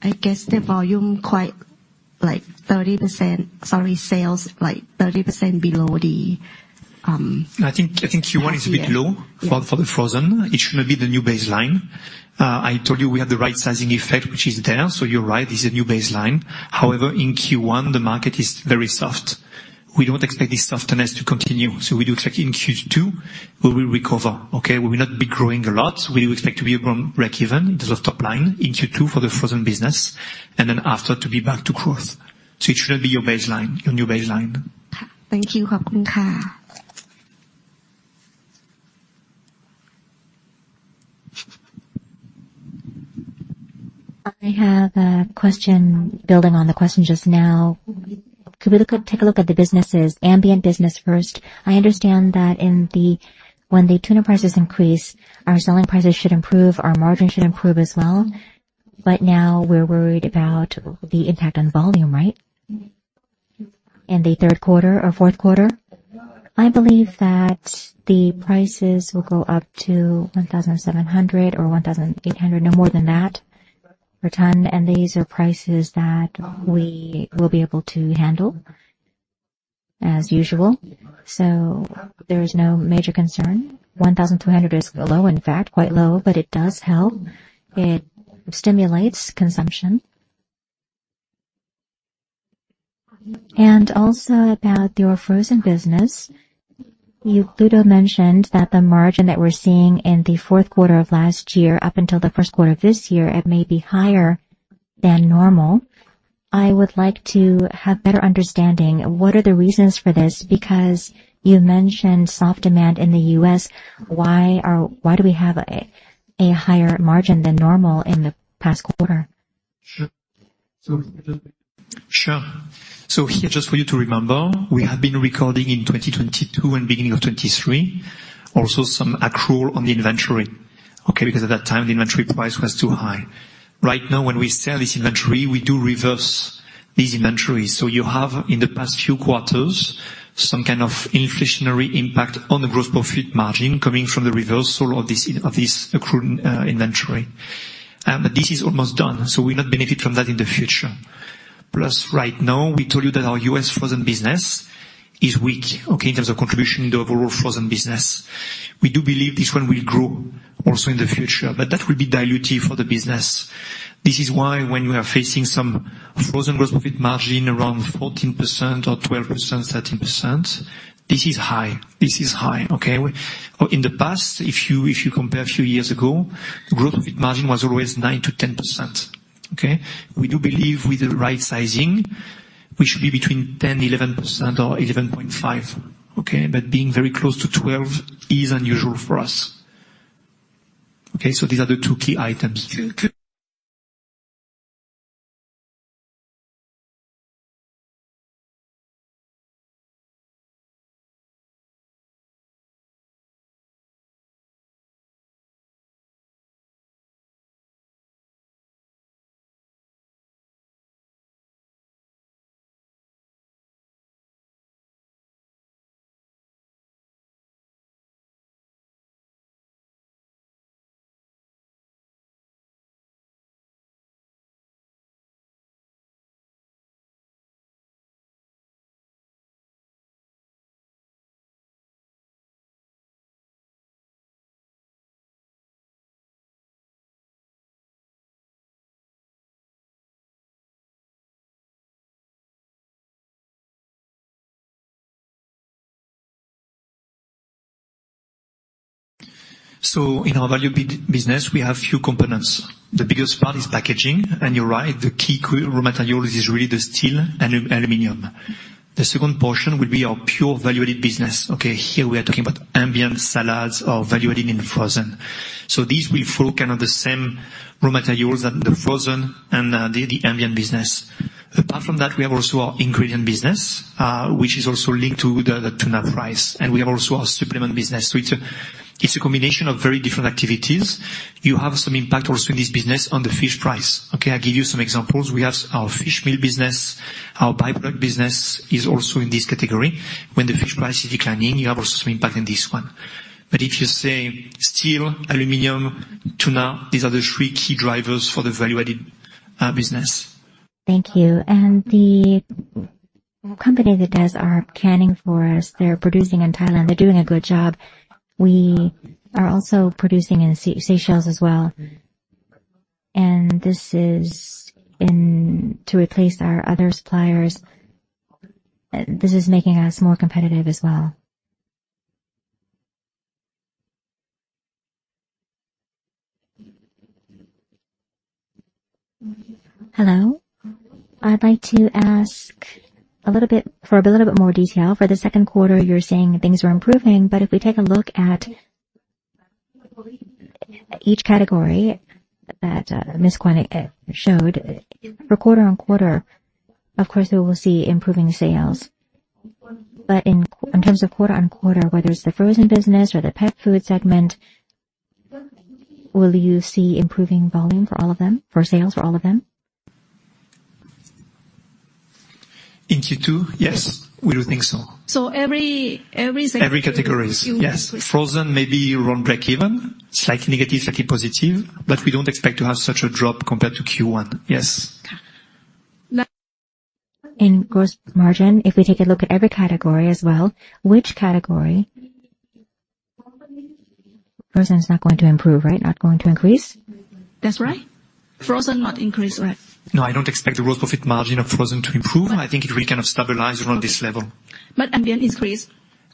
I guess the volume quite like 30%. Sorry. Sales like 30% below the. I think. I think Q1 is a bit low for the frozen. It shouldn't be the new baseline. I told you we had the rightsizing effect which is there. So you're right. This is a new baseline. However, in Q1 the market is very soft. We don't expect this softness to continue. So we do expect in Q2 we will recover. Okay. We will not be growing a lot. We do expect to be about break even the top line in Q2 for the frozen business and then after to be back to growth. So it shouldn't be your baseline, your new baseline. Thank you. I have a question. Building on the question just now, take a look at the businesses ambient business first. I understand that when the tuna prices increase, our selling prices should improve. Our margin should improve as well. But now we're worried about the impact on volume. Right. In the third quarter or fourth quarter, I believe that the prices will go up to $1,700 or $1,800, no more than that per ton. And these are prices that we will be able to handle as usual. So there is no major concern. $1,200 is low, in fact quite low. But it does help. It stimulates consumption. And also about your frozen business. Pluto mentioned that the margin that we're seeing in the fourth quarter of last year, up until the first quarter of this year, it may be higher than normal. I would like to have better understanding what are the reasons for this? Because you mentioned soft demand in the U.S. Why do we have a higher margin than normal in the past quarter? Sure. So here just for you to remember, we have been recording in 2022 and beginning of 2023 also some accrual on the inventory. Okay. Because at that time the inventory price was too high. Right. Now when we sell this inventory, we do reverse these inventories. So you have in the past few quarters some kind of inflationary impact on the gross profit margin coming from the reversal of this accrued inventory. This is almost done, so we not benefit from that in the future. Plus right now we told you that our U.S. frozen business is weak in terms of contribution in the overall frozen business. We do believe this one will grow also in the future, but that will be dilutive for the business. This is why when you are facing some frozen gross profit margin, around 14% or 12%, 13%. This is high. This is high. Okay. In the past, if you compare a few years ago, gross profit margin was always 9%-10%. We do believe with the rightsizing, we should be between 10%-11% or 11.5%. Okay. But being very close to 12% is unusual for us. Okay, so these are the two key items. So in our value business we have few components. The biggest part is packaging. And you're right, the key raw material is really the steel and aluminum. The second portion will be our pure value-added business. Okay, here we are talking about ambient salads are value-added in frozen. So these will focus on the same raw materials that the frozen and the ambient business. Apart from that, we have also our ingredient business, which is also linked to the tuna price. And we have also our supplement business. So it's a combination of very different activities. You have some impact also in this business on the fish price. Okay, I'll give you some examples. We have our fish meal business. Our byproduct business is also in this category. When the fish price is declining. You have also some impact in this one. If you say steel, aluminum, tuna, these are the three key drivers for the value added business. Thank you. The company that does our canning for us. They're producing in Thailand. They're doing a good job. We are also producing in Seychelles as well. This is intended to replace our other suppliers. This is making us more competitive as well. Hello. I'd like to ask a little bit more detail for the second quarter. You're saying things were improving, but if we take a look at each category that Ms. Kwan showed for quarter-on-quarter, of course we will see improving sales. But in terms of quarter-on-quarter, whether it's the frozen business or the pet food segment, will you see improving volume for all of them, for sales for all of them. In Q2? Yes, we do think so. Every category? Yes. Frozen maybe run breakeven, slightly negative, positive. But we don't expect to have such a drop compared to Q1. Yes. In gross margin, if we take a look at every category as well, which category is not going to improve, right? Not going to increase. That's right. Frozen not increase, right? No, I don't expect the gross profit margin of frozen to improve. I think it will kind of stabilize around this level. But ambient increase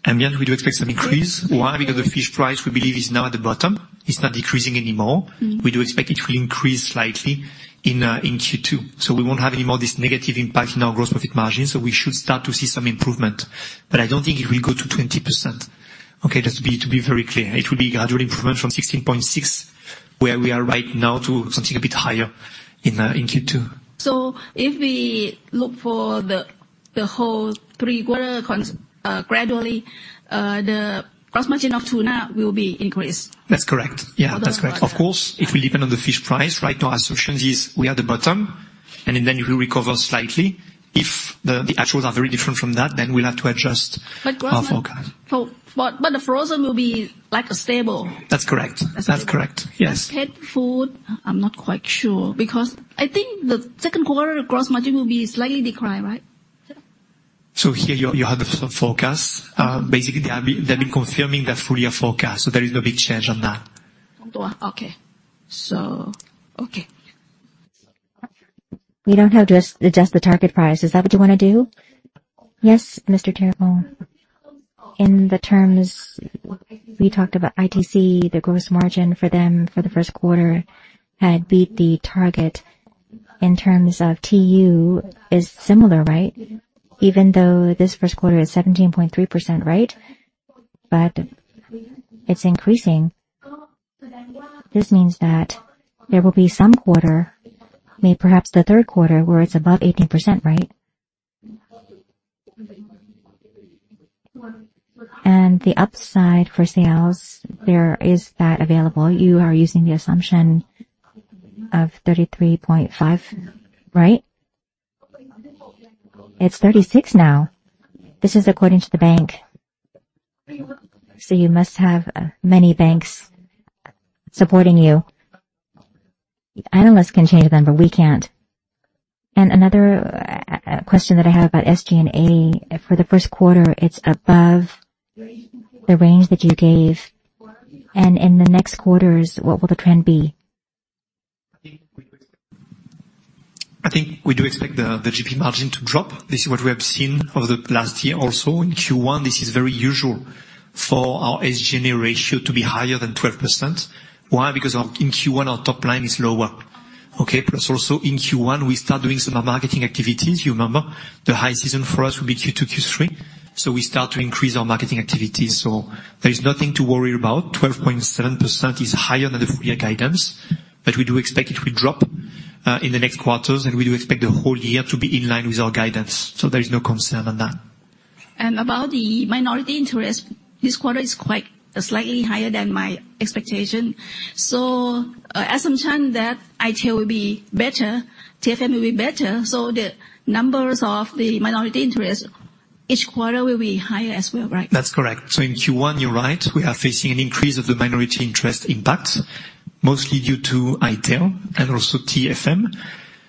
and yet we do expect some increase. Why? Because the fish price we believe is now at the bottom. It's not decreasing anymore. We do expect it will increase slightly in Q2. So we won't have any more this negative impact in our gross profit margin. So we should start to see some improvement. But I don't think it will go to 20%. Okay, just to be very clear, it will be gradual improvement from 16.6 where we are right now to something a bit higher in Q2. If we look for the whole three quarter, gradually the gross margin of tuna will be increased. That's correct. Yeah, that's correct. Of course it will depend on the fish price. Right now assumptions is we are the bottom. And then if we recover slightly, if the actuals are very different from that, then we'll have to adjust our forecast. But the frozen will be like a stable. That's correct. That's correct, yes. Pet food, I'm not quite sure because I think the second quarter gross margin will be slightly declined. Right. Here you have the forecast. Basically they've been confirming the full year forecast. There is no big change on that. Okay, so okay, we don't have to adjust the target price. Is that what you want to do? Yes. Mr. Thiraphong. In the terms we talked about, ITC, the gross margin for them for the first quarter had beat the target in terms of TU is similar. Right. Even though this first quarter is 17.3%. Right. But it's increasing. This means that there will be some quarter, maybe, perhaps the third quarter where it's above 18%. Right. And the upside for sales there is that available. You are using the assumption of 33.5, right? It's 36. Now this is according to the bank, so you must have many banks supporting you. The analysts can change them, but we can't. And another question that I have about SG&A for the first quarter, it's above the range that you gave. And in the next quarters, what will the trend be? I think we do expect the GP margin to drop. This is what we have seen over the last year. Also in Q1, this is very usual for our SGA ratio to be higher than 12%. Why? Because in Q1 our top line is lower. Okay. Plus also in Q1 we start doing some marketing activities. You remember the high season for us will be Q2, Q3, so we start to increase our marketing activities. There is nothing to worry about. 12.7% is higher than the full year guidance, but we do expect it will drop in the next quarters and we do expect the whole year to be in line with our guidance. There is no concern on that. About the minority interest, this quarter is quite slightly higher than my expectation. So as I'm trying that it will be better, TFM will be better. So the numbers of the minority interest each quarter will be higher as well, right? That's correct. So in Q1 you're right. We are facing an increase of the minority interest impact mostly due to ITC and also TFM.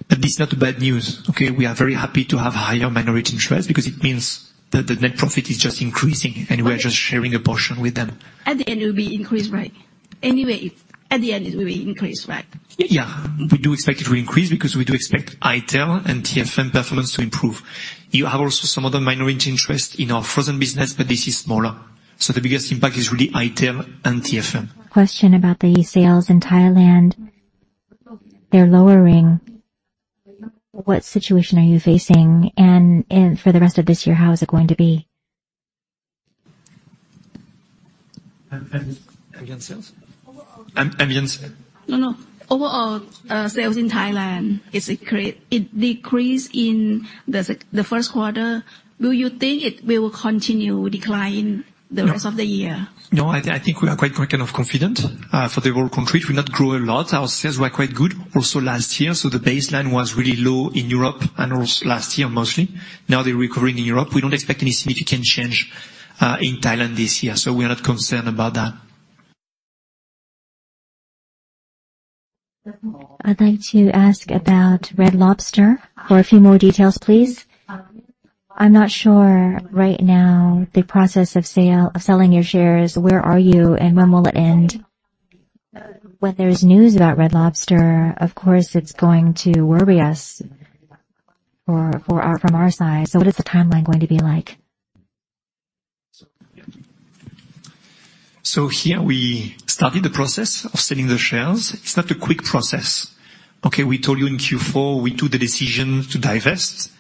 But this is not bad news. Okay? We are very happy to have higher minority interest because it means that the net profit is just increasing and we're just sharing a portion with them. At the end it will be increased, right? Anyway, at the end it will be increased, right? Yeah, we do expect it to increase because we do expect ITC and TFM performance to improve. You have also some other minority interest in our frozen business, but this is smaller. So the biggest impact is really ITC and TFM. Question about the sales in Thailand. They're lowering. What situation are you facing and for the rest of this year, how is it going to be? Ambience? No, no. Overall sales in Thailand is a great decrease in the first quarter. Do you think it will continue decline the rest of the year? No, I think we are quite kind of confident for the whole country to not grow a lot. Our sales were quite good also last year. So the baseline was really low in Europe and last year mostly now they're recovering in Europe. We don't expect any significant change in Thailand this year. So we are not concerned about that. I'd like to ask about Red Lobster for a few more details, please. I'm not sure right now the process of sale of selling your shares. Where are you and when will it end? When there's news about Red Lobster, of course it's going to worry us from our side. So what is the timeline going to be like? So here we started the process of selling the shares. It's not a quick process. Okay. We told you in Q4 we took the decision to divest.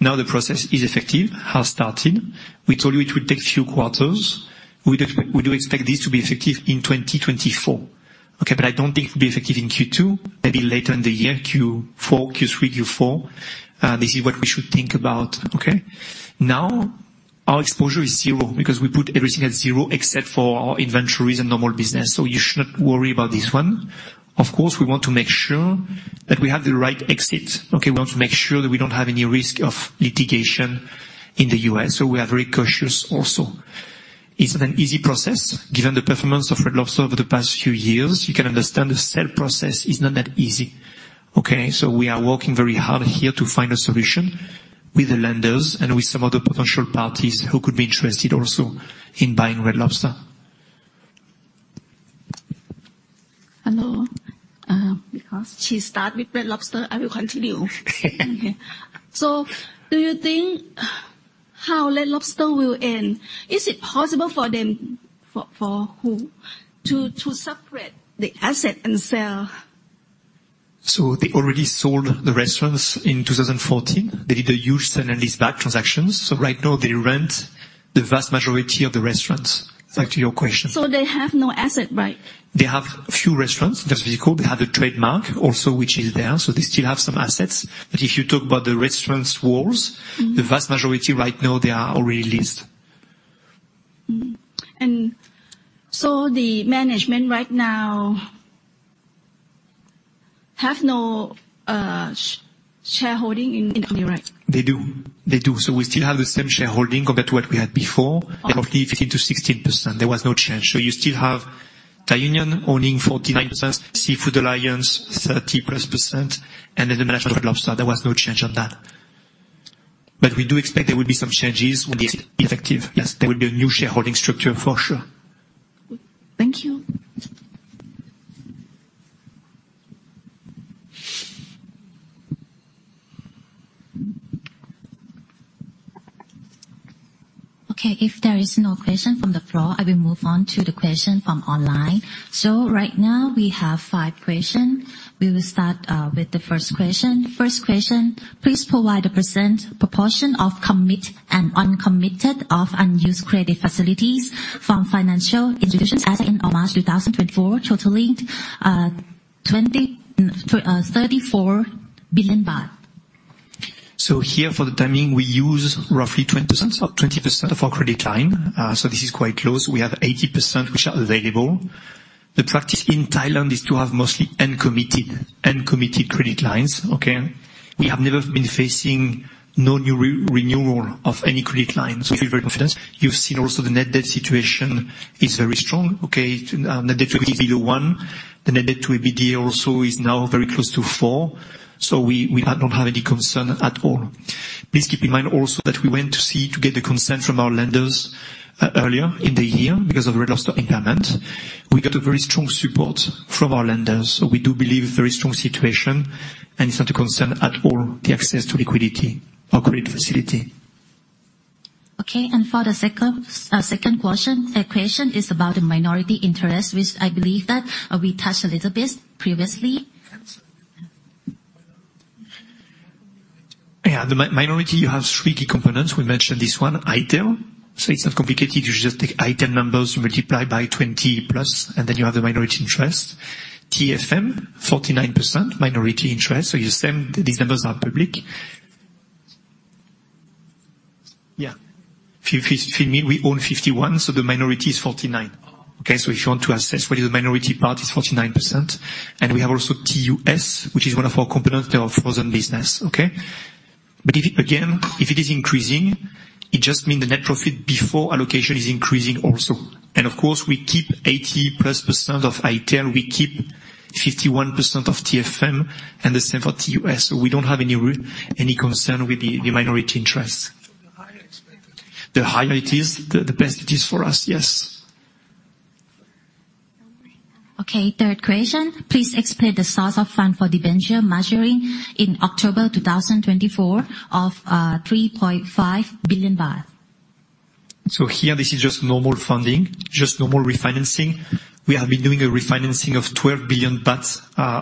Now the process is effective, has started. We told you it would take few quarters. We do expect this to be effective in 2024. Okay. But I don't think it will be effective in Q2, maybe later in the year. Q4, Q3, Q4. This is what we should think about. Okay. Now our exposure is zero because we put everything at zero except for our inventories and normal business. So you shouldn't worry about this one. Of course we want to make sure that we have the right exit. Okay. We want to make sure that we don't have any risk of using litigation in the U.S. So we are very cautious. Also, it's an easy process given the performance of Red Lobster over the past few years. You can understand the sale process is not that easy. Okay. So we are working very hard here to find a solution with the lenders and with some other potential parties who could be interested also in buying Red Lobster. Hello. Because she start with Red Lobster. I will continue. So do you think how Lobster will end? Is it possible for them? For who to separate the asset and sell? So they already sold the restaurants in 2014. They did a huge sale-leaseback transactions. So right now they rent the vast majority of the restaurants. Back to your question. They have no asset, right? They have a few restaurants. That's because they have a trademark also which is there. So they still have some assets. But if you talk about the restaurants walls, the vast majority right now they are already leased. The management right now have no shareholding in. Right. They do, they do. So we still have the same shareholding compared to what we had before, roughly 15%-16%. There was no change. So you still have Thai Union owning 49%, Seafood Alliance 30%+. And then the management of Red Lobster, there was no change on that. But we do expect there will be some changes when the effective. Yes, there will be a new shareholding structure for sure. Thank you. Okay, if there is no question from the floor, I will move on to the question from online. So right now we have five questions. We will start with the first question. First question. Please provide a present proportion of committed and uncommitted of unused credit facilities from financial institutions as in March 2024, totaling 2,034 billion baht. So here for the timing. We use roughly 20%, 20% of our credit line. So this is quite close. We have 80% which are available. The practice in Thailand is to have mostly uncommitted and committed credit lines. Okay. We have never been facing no new renewal of any credit lines. We feel very confident. You've seen also the net debt situation is very strong. Okay. Net debt to EBITDA is below 1. The net debt to EBITDA also is now very close to four. So we don't have any concern at all. Please keep in mind also that we went to see to get the consent from our lenders earlier in the year because of the Red Lobster impairment. We got a very strong support from our lenders. So we do believe very strong situation and it's not a concern at all the access to liquidity or credit facility. Okay. And for the second question is about the minority interest which I believe that we touched a little bit previously. The minority, you have three key components. We mentioned this one item, so it's not complicated. You just take item numbers, multiply by 20% and then you have the minority interest. TFM 49% minority interest. So you see, these numbers are public. Yeah, we own 51%, so the minority is 49%. Okay. So if you want to assess what is the minority part is 49%. And we have also TUS which is one of our components of frozen business. Okay. But again if it is increasing, it just means the net profit before allocation is increasing also. And of course we keep 80+% of EBITDA. We keep 51% of TFM and the same for TUS. So we don't have any concern with the minority interest. The higher it is, the better it is for us. Yes. Okay, third question. Please explain the source of funds for the debenture maturing in October 2024 of 3.5 billion baht. This is just normal funding, just normal refinancing. We have been doing a refinancing of 12 billion baht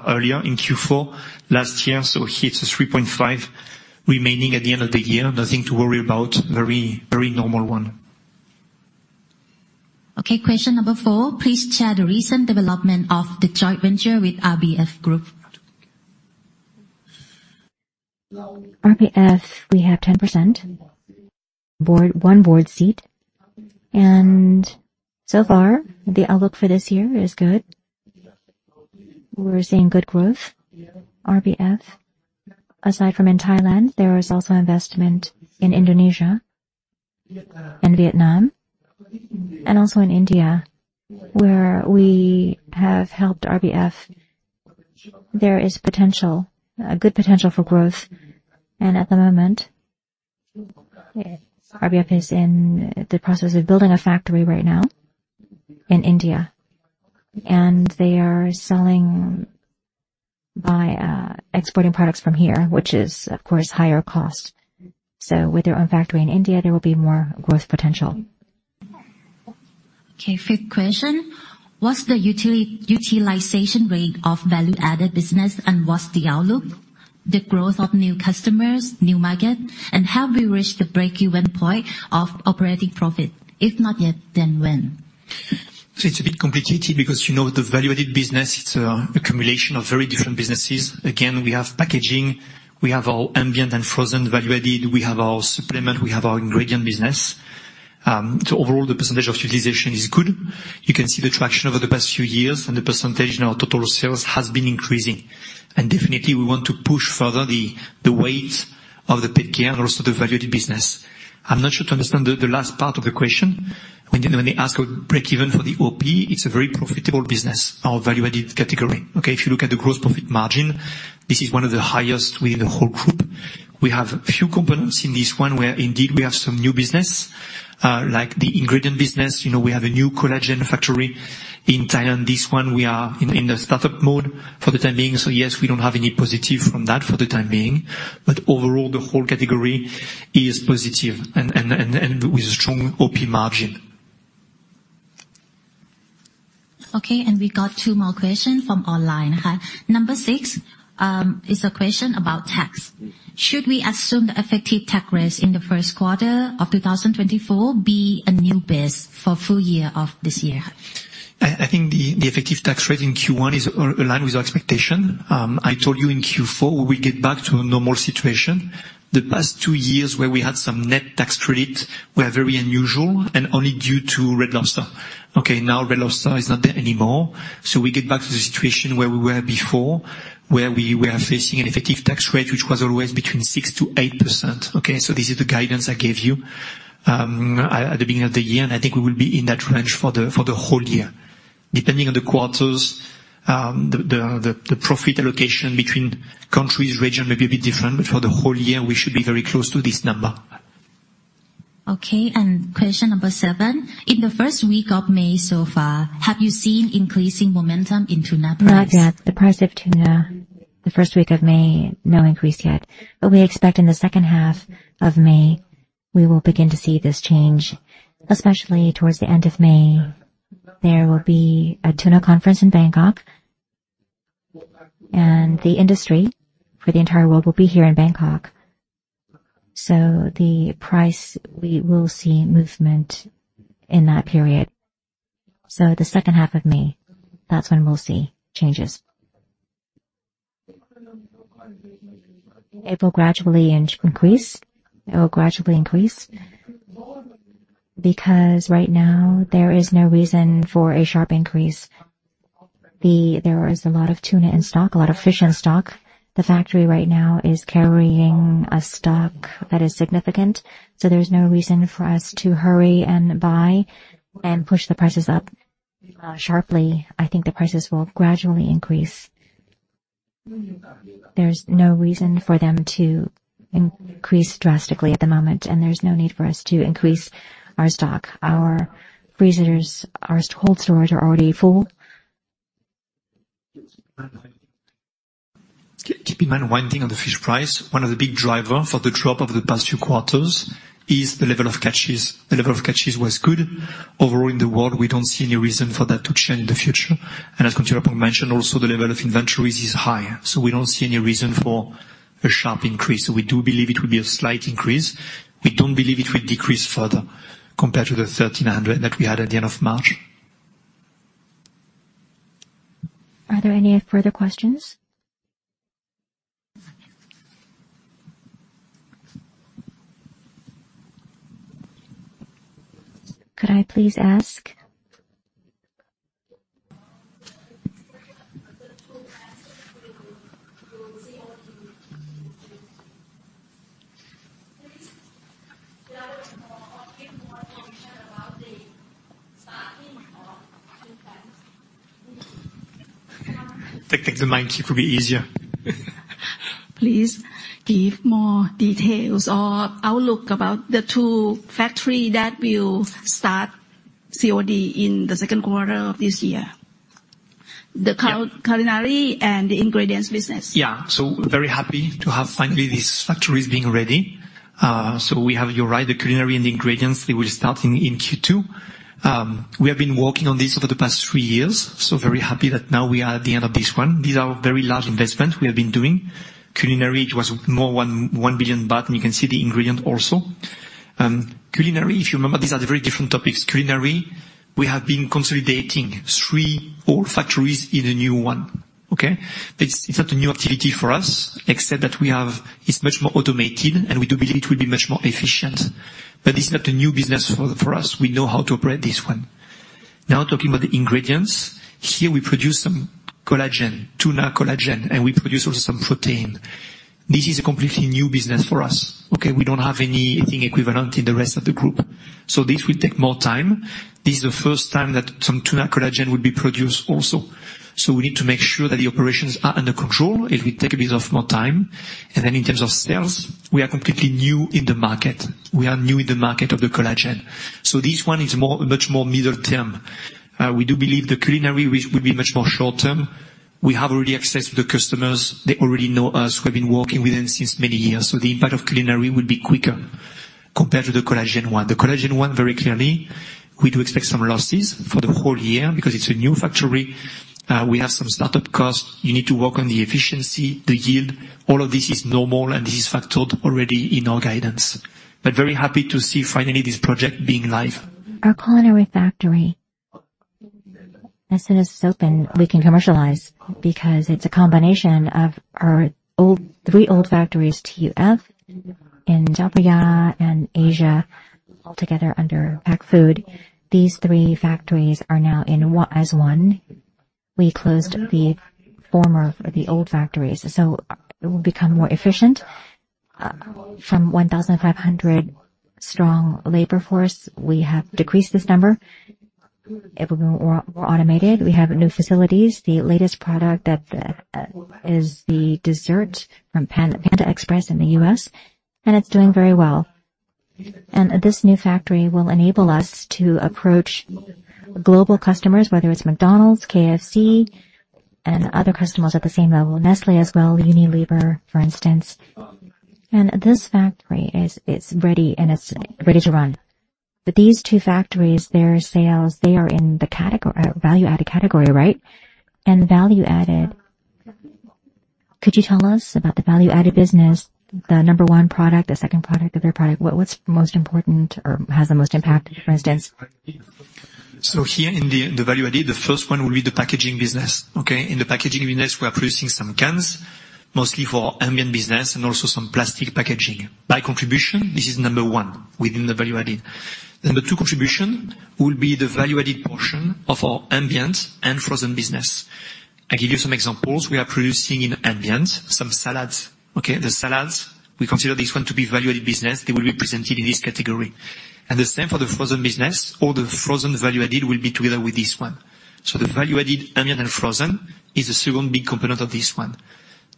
earlier in Q4 last year. It has 3.5 remaining at the end of the year. Nothing to worry about. Very, very normal one. Okay, question number four. Please share the recent development of the joint venture with RBF Group. RBF, we have 10%, one board seat, and so far the outlook for this year is good. We're seeing good growth. RBF, aside from in Thailand, there is also investment in Indonesia and Vietnam and also in India where we have helped RBF. There is potential, a good potential for growth. And at the moment RBF is in the process of building a factory right now in India and they are selling by exporting products from here, which is of course higher cost. So with their own factory in India there will be more growth potential. Okay, fifth question. What's the utilization rate of value added business and what's the outlook? The growth of new customers, new market and have we reached the breakeven point of operating profit? If not yet, then when? It's a bit complicated because, you know, the value-added business, it's a combination of very different businesses. Again we have packaging, we have our ambient and frozen value-added, we have our supplement, we have our ingredient business. So overall the percentage of utilization is good. You can see the traction over the past few years and the percentage in our total sales has been increasing. And definitely we want to push further the weight of the pet care and also the value-added business. I'm not sure to understand the last part of the question. When they ask a breakeven for the op. It's a very profitable business. Our value-added category, okay, if you look at the gross profit margin, this is one of the highest within the whole group. We have few components in this one where indeed we have some new business like the ingredient business. You know, we have a new collagen factory in Thailand. This one we are in the startup mode for the time being. So yes, we don't have any positive from that for the time being. But overall the whole category is positive and with a strong OP margin. Okay, and we got two more questions from online. Number six is a question about tax. Should we assume the effective tax rate in the first quarter of 2024 be a new base for full year of this year? I think the effective tax rate in Q1 is aligned with our expectation. I told you in Q4 we get back to a normal situation. The past two years where we had some net tax credit were very unusual and only due to Red Lobster. Okay, now Red Lobster is not there anymore. So we get back to the situation where we were before, where we were facing an effective tax rate which was always between 6%-8%. Okay, so this is the guidance I gave you at the beginning of the year. I think we will be in that range for the whole year. Depending on the quarters, the profit allocation between countries region may be a bit different. For the whole year we should be very close to this number. Okay, and question number seven. In the first week of May so far have you seen increasing momentum in tuna price? Not yet. The price of tuna the first week of May, no increase yet. But we expect in the second half of May we will begin to see this change. Especially towards the end of May, there will be a tuna conference in Bangkok, and the industry for the entire world will be here in Bangkok. So the price, we will see movement in that period. So the second half of May, that's when we'll see changes. April gradually increase. It will gradually increase because right now there is no reason for a sharp increase. There is a lot of tuna in stock. A lot of fish in stock. The factory right now is carrying a stock that is significant. So there's no reason for us to hurry and buy and push the prices up sharply. I think the prices will gradually increase. There's no reason for them to increase drastically at the moment. There's no need for us to increase our stock. Our freezers, our cold stores are already full. Keep in mind winding on the fish price. One of the big driver for the drop over the past few quarters is the level of catches. The level of catches was good overall in the world. We don't see any reason for that to change the future. And as mentioned also, the level of inventories is high. So we don't see any reason for a sharp increase. So we do believe it would be a slight increase. We don't believe it will decrease further compared to the 1,300 that we had at the end of March. Are there any further questions? Could I please ask? Technically, the math could be easier. Please give more details or outlook about the two factories that will start COD in the second quarter of this year. The culinary and the ingredients business. Yeah. So very happy to have finally these factories being ready. So you're right, the culinary and ingredients, they will start starting in Q2. We have been working on this over the past three years. So very happy that now we are at the end of this one. These are very large investments we have been doing. Culinary. It was more than 1 billion baht and you can see the ingredient also culinary. If you remember, these are very different topics. Culinary. We have been consolidating three old factories in a new one. Okay. It's not a new activity for us except that we have. It's much more automated and we do believe that it will be much more efficient. But this is not a new business for us. We know how to operate this one. Now talking about the ingredients here, we produce some collagen, tuna collagen, and we produce also some protein. This is a completely new business for us. Okay. We don't have anything equivalent in the rest of the group. So this will take more time. This is the first time that some tuna collagen would be produced also. So we need to make sure that the operations are under control. If we can take a bit of more time. And then in terms of sales, we are completely new in the market. We are new in the market of the collagen. So this one is more, much more middle term. We do believe the culinary would be much more short term. We have already access to the customers, they already know us. We've been working with them since many years. So the impact of culinary would be quicker compared to the collagen one. The collagen one very clearly we do expect some losses for the whole year. Because it's a new factory. We have some startup cost. You need to work on the efficiency, the yield. All of this is normal. And this is factored already in our guidance. But very happy to see finally this. project being live, our culinary factory. As soon as it's open, we can commercialize. Because it's a combination of our old three old factories. TUF in Japan and Asia. Altogether under RBF, these three factories are now in as one. We closed the former the old factories. So it will become more efficient. From 1,500-strong labor force, we have decreased this number. It will be more automated. We have new facilities. The latest product, that is the dessert from Panda Express in the U.S. and it's doing very well. And this new factory will enable us to approach global customers. Whether it's McDonald's, KFC, and other customers at the same level. Nestlé as well. Unilever for instance. And this factory is. It's ready and it's ready to run. But these two factories, their sales, they are in the category value added category, right? And value added. Could you tell us about the value added business? The number one product, the second product, the third product, what's most important or has the most impact? For instance, so here in the value added, the first one will be the packaging business. Okay. In the packaging business, we are producing some cans mostly for ambient business. And also some plastic packaging by contribution. This is number one within the value add. In number two contribution will be the value added portion of our ambient and frozen business. I give you some examples. We are producing in ambient, some salads. Okay, the salads. We consider this one to be value added business. They will be presented in this category. And the same for the frozen business. All the frozen value added will be together with this one. So the value added and frozen is the second big component of this one.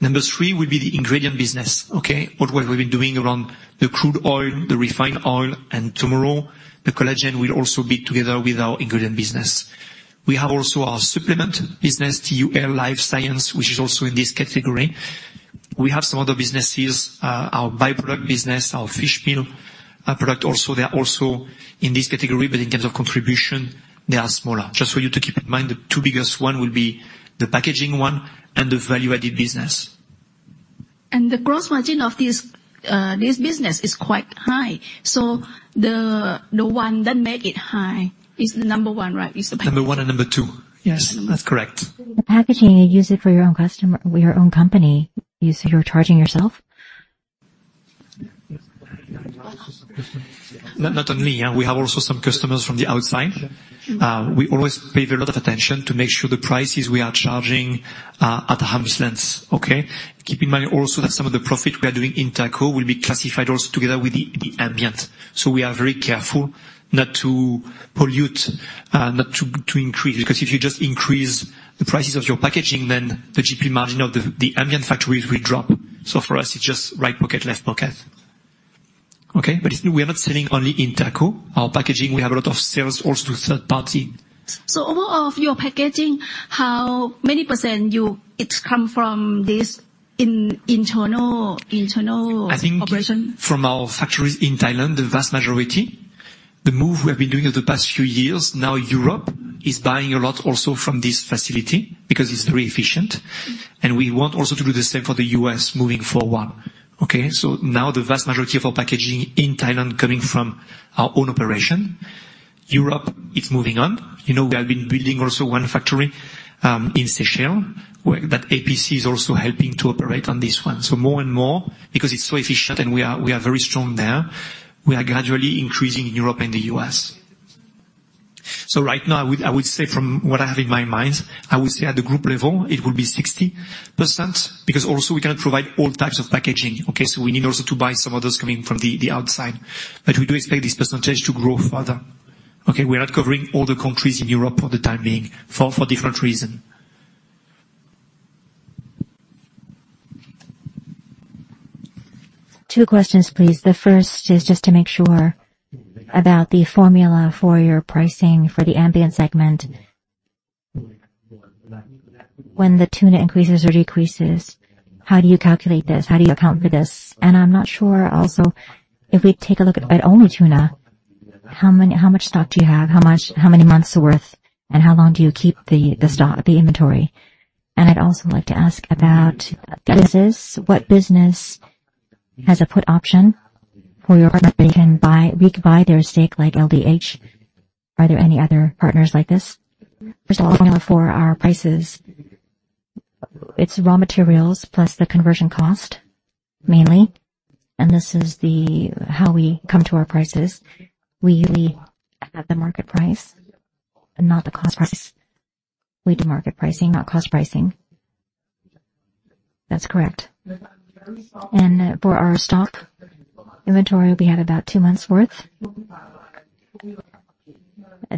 Number three will be the ingredient business. Okay. What we've been doing around the crude oil, the refined oil, and tomorrow the collagen will also be together with our ingredient business. We have also our supplement business, TUL Life Science, which is also in this category. We have some other businesses. Our byproduct business, our fish meal product also, they are also in this category. But in terms of contribution they are smaller. Just for you to keep in mind, the two biggest one will be the packaging one and the value added business. The gross margin of these, this business is quite high. The one that make it high is the number one, right? Number one and number two. Yes, that's correct. The packaging, you use it for your own customer, your own company, you're charging yourself. Not only. We have also some customers from the outside. We always pay a lot of attention to make sure the prices we are charging are at the arm's length. Okay. Keep in mind also that some of the profit we are doing in APC will be classified also together with the ambient. We are very careful not to pollute, not to increase. Because if you just increase the prices of your packaging, then the GP margin of the ambient factories will drop. For us it's just right pocket, left pocket. Okay. We are not selling only in APC our packaging, we have a lot of sales also to third party. So, all of your packaging, how many % you. It's come from this internal? Internal, I think from our factories in Thailand. The vast majority. The move we have been doing over the past few years now Europe is buying a lot also from this facility because it's very efficient and we want also to do the same for the U.S. moving forward. Okay. So now the vast majority of our packaging in Thailand coming from, from our own operation, Europe, it's moving on. You know, we have been building also one factory in Seychelles that APC is also helping to operate on this one, so more and more because it's so efficient and we are, we are very strong there. We are gradually increasing in Europe and the U.S. So right now I would say from what I have in my mind, I would say at the group level it will be 60% because also we cannot provide all types of packaging. Okay. We need also to buy some others coming from the outside. We do expect this percentage to grow further. Okay. We're not covering all the countries in Europe for the time being for different reasons. Two questions, please. The first is just to make sure about the formula for your pricing for the ambient segment. When the tuna increases or decreases. How do you calculate this? How do you account for this? And I'm not sure. Also if we take a look at only tuna, how many, how much stock do you have? How much, how many months worth and how long do you keep the, the stock, the inventory? And I'd also like to ask about what business has a put option for your partner. They can buy back their stake like LDH. Are there any other partners like this? First of all, for our prices, it's raw materials plus the conversion cost mainly. And this is how we come to our prices. We have the market price, not the cost price. We do market pricing, not cost pricing. That's correct. For our stock inventory we have about two months' worth.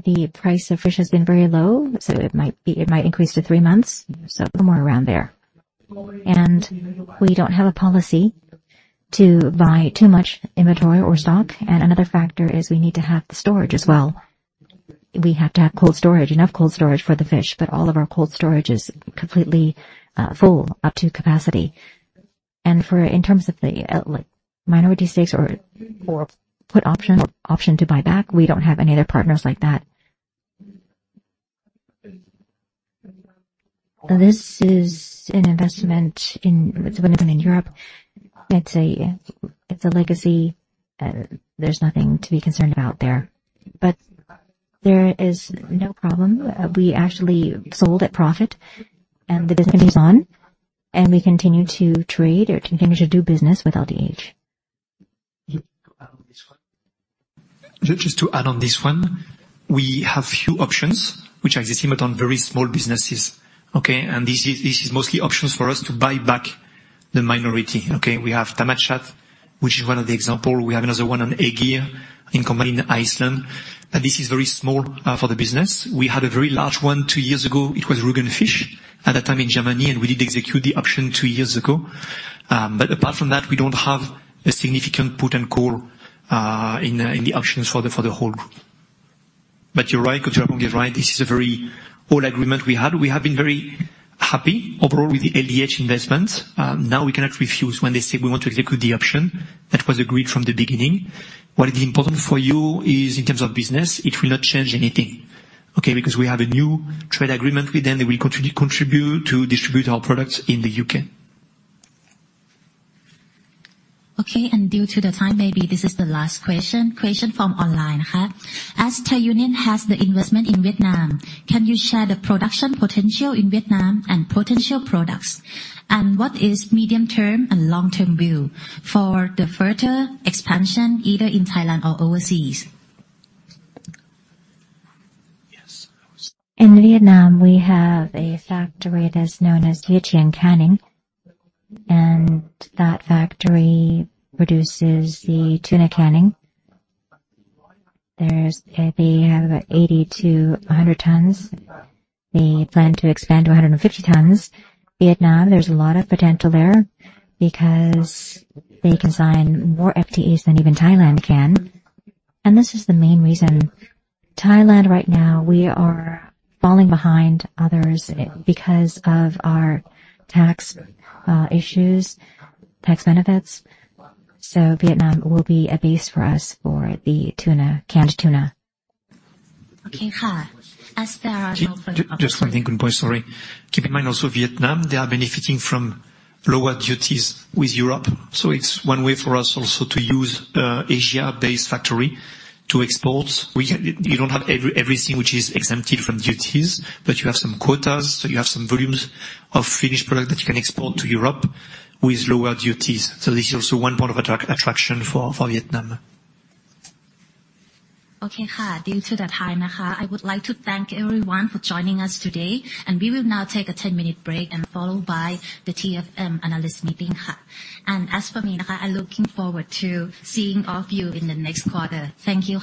The price of fish has been very low, so it might be. It might increase to three months. So somewhere around there. We don't have a policy to buy too much inventory or stock. Another factor is we need to have the storage as well. We have to have cold storage, enough cold storage for the fish. But all of our cold storage is completely full up to capacity. In terms of the minority stakes or put option or option to buy back, we don't have any other partners like that. This is an investment in Europe. It's a legacy. There's nothing to be concerned about there. But there is no problem. We actually sold at profit and the business on and we continue to trade or continue to do business with LDH. Just to add on this one, we have few options which are the same but on very small businesses. Okay. And this is mostly options for us to buy back the minority. Okay. We have Thammachart, which is one of the example. We have another one on Ægir in Iceland. But this is very strong small for the business. We had a very large one two years ago. It was Rügen Fisch at that time in Germany. And we did execute the option two years ago. But apart from that we don't have a significant put and call in the options for the. For the whole group. But you're right, this is a very old agreement we had. We have been very happy overall with the LDH investment. Now we cannot refuse when they say we want to execute the option that was agreed from. From the beginning. What is important for you is in terms of business, it will not change anything. Okay? Because we have a new trade agreement with them. They will contribute to distribute our products in the U.K. Okay. Due to the time, maybe this is the last question from online. As Thai Union has the investment in Vietnam. Can you share the production potential in Vietnam and potential products and what is medium term and long term view for the further expansion either in Thailand or overseas. In Vietnam we have a factory that's known as Yueh Chuen Canning. That factory produces the tuna canning. They have about 80-100 tons. They plan to expand to 150 tons. Vietnam, there's a lot of potential there because they can sign more FTAs than even Thailand can. This is the main reason Thailand right now, we are falling behind others because of our tax issues, tax benefits. Vietnam will be a base for us for the tuna, canned tuna. Okay. As far as just one thing, good point. Sorry. Keep in mind, also Vietnam, they are benefiting from lower duties with Europe. So it's one way for us also to use Asia based factory to export. You don't have everything which is exempted from duties, but you have some quotas. So you have some volumes of finished product that you can export to Europe with lower duties. So this is also one point of attraction for Vietnam. Okay. Due to that, I would like to thank everyone for joining us today. We will now take a 10-minute break, followed by the TFM analyst meeting. As for me, I'm looking forward to seeing all of you in the next quarter. Thank you.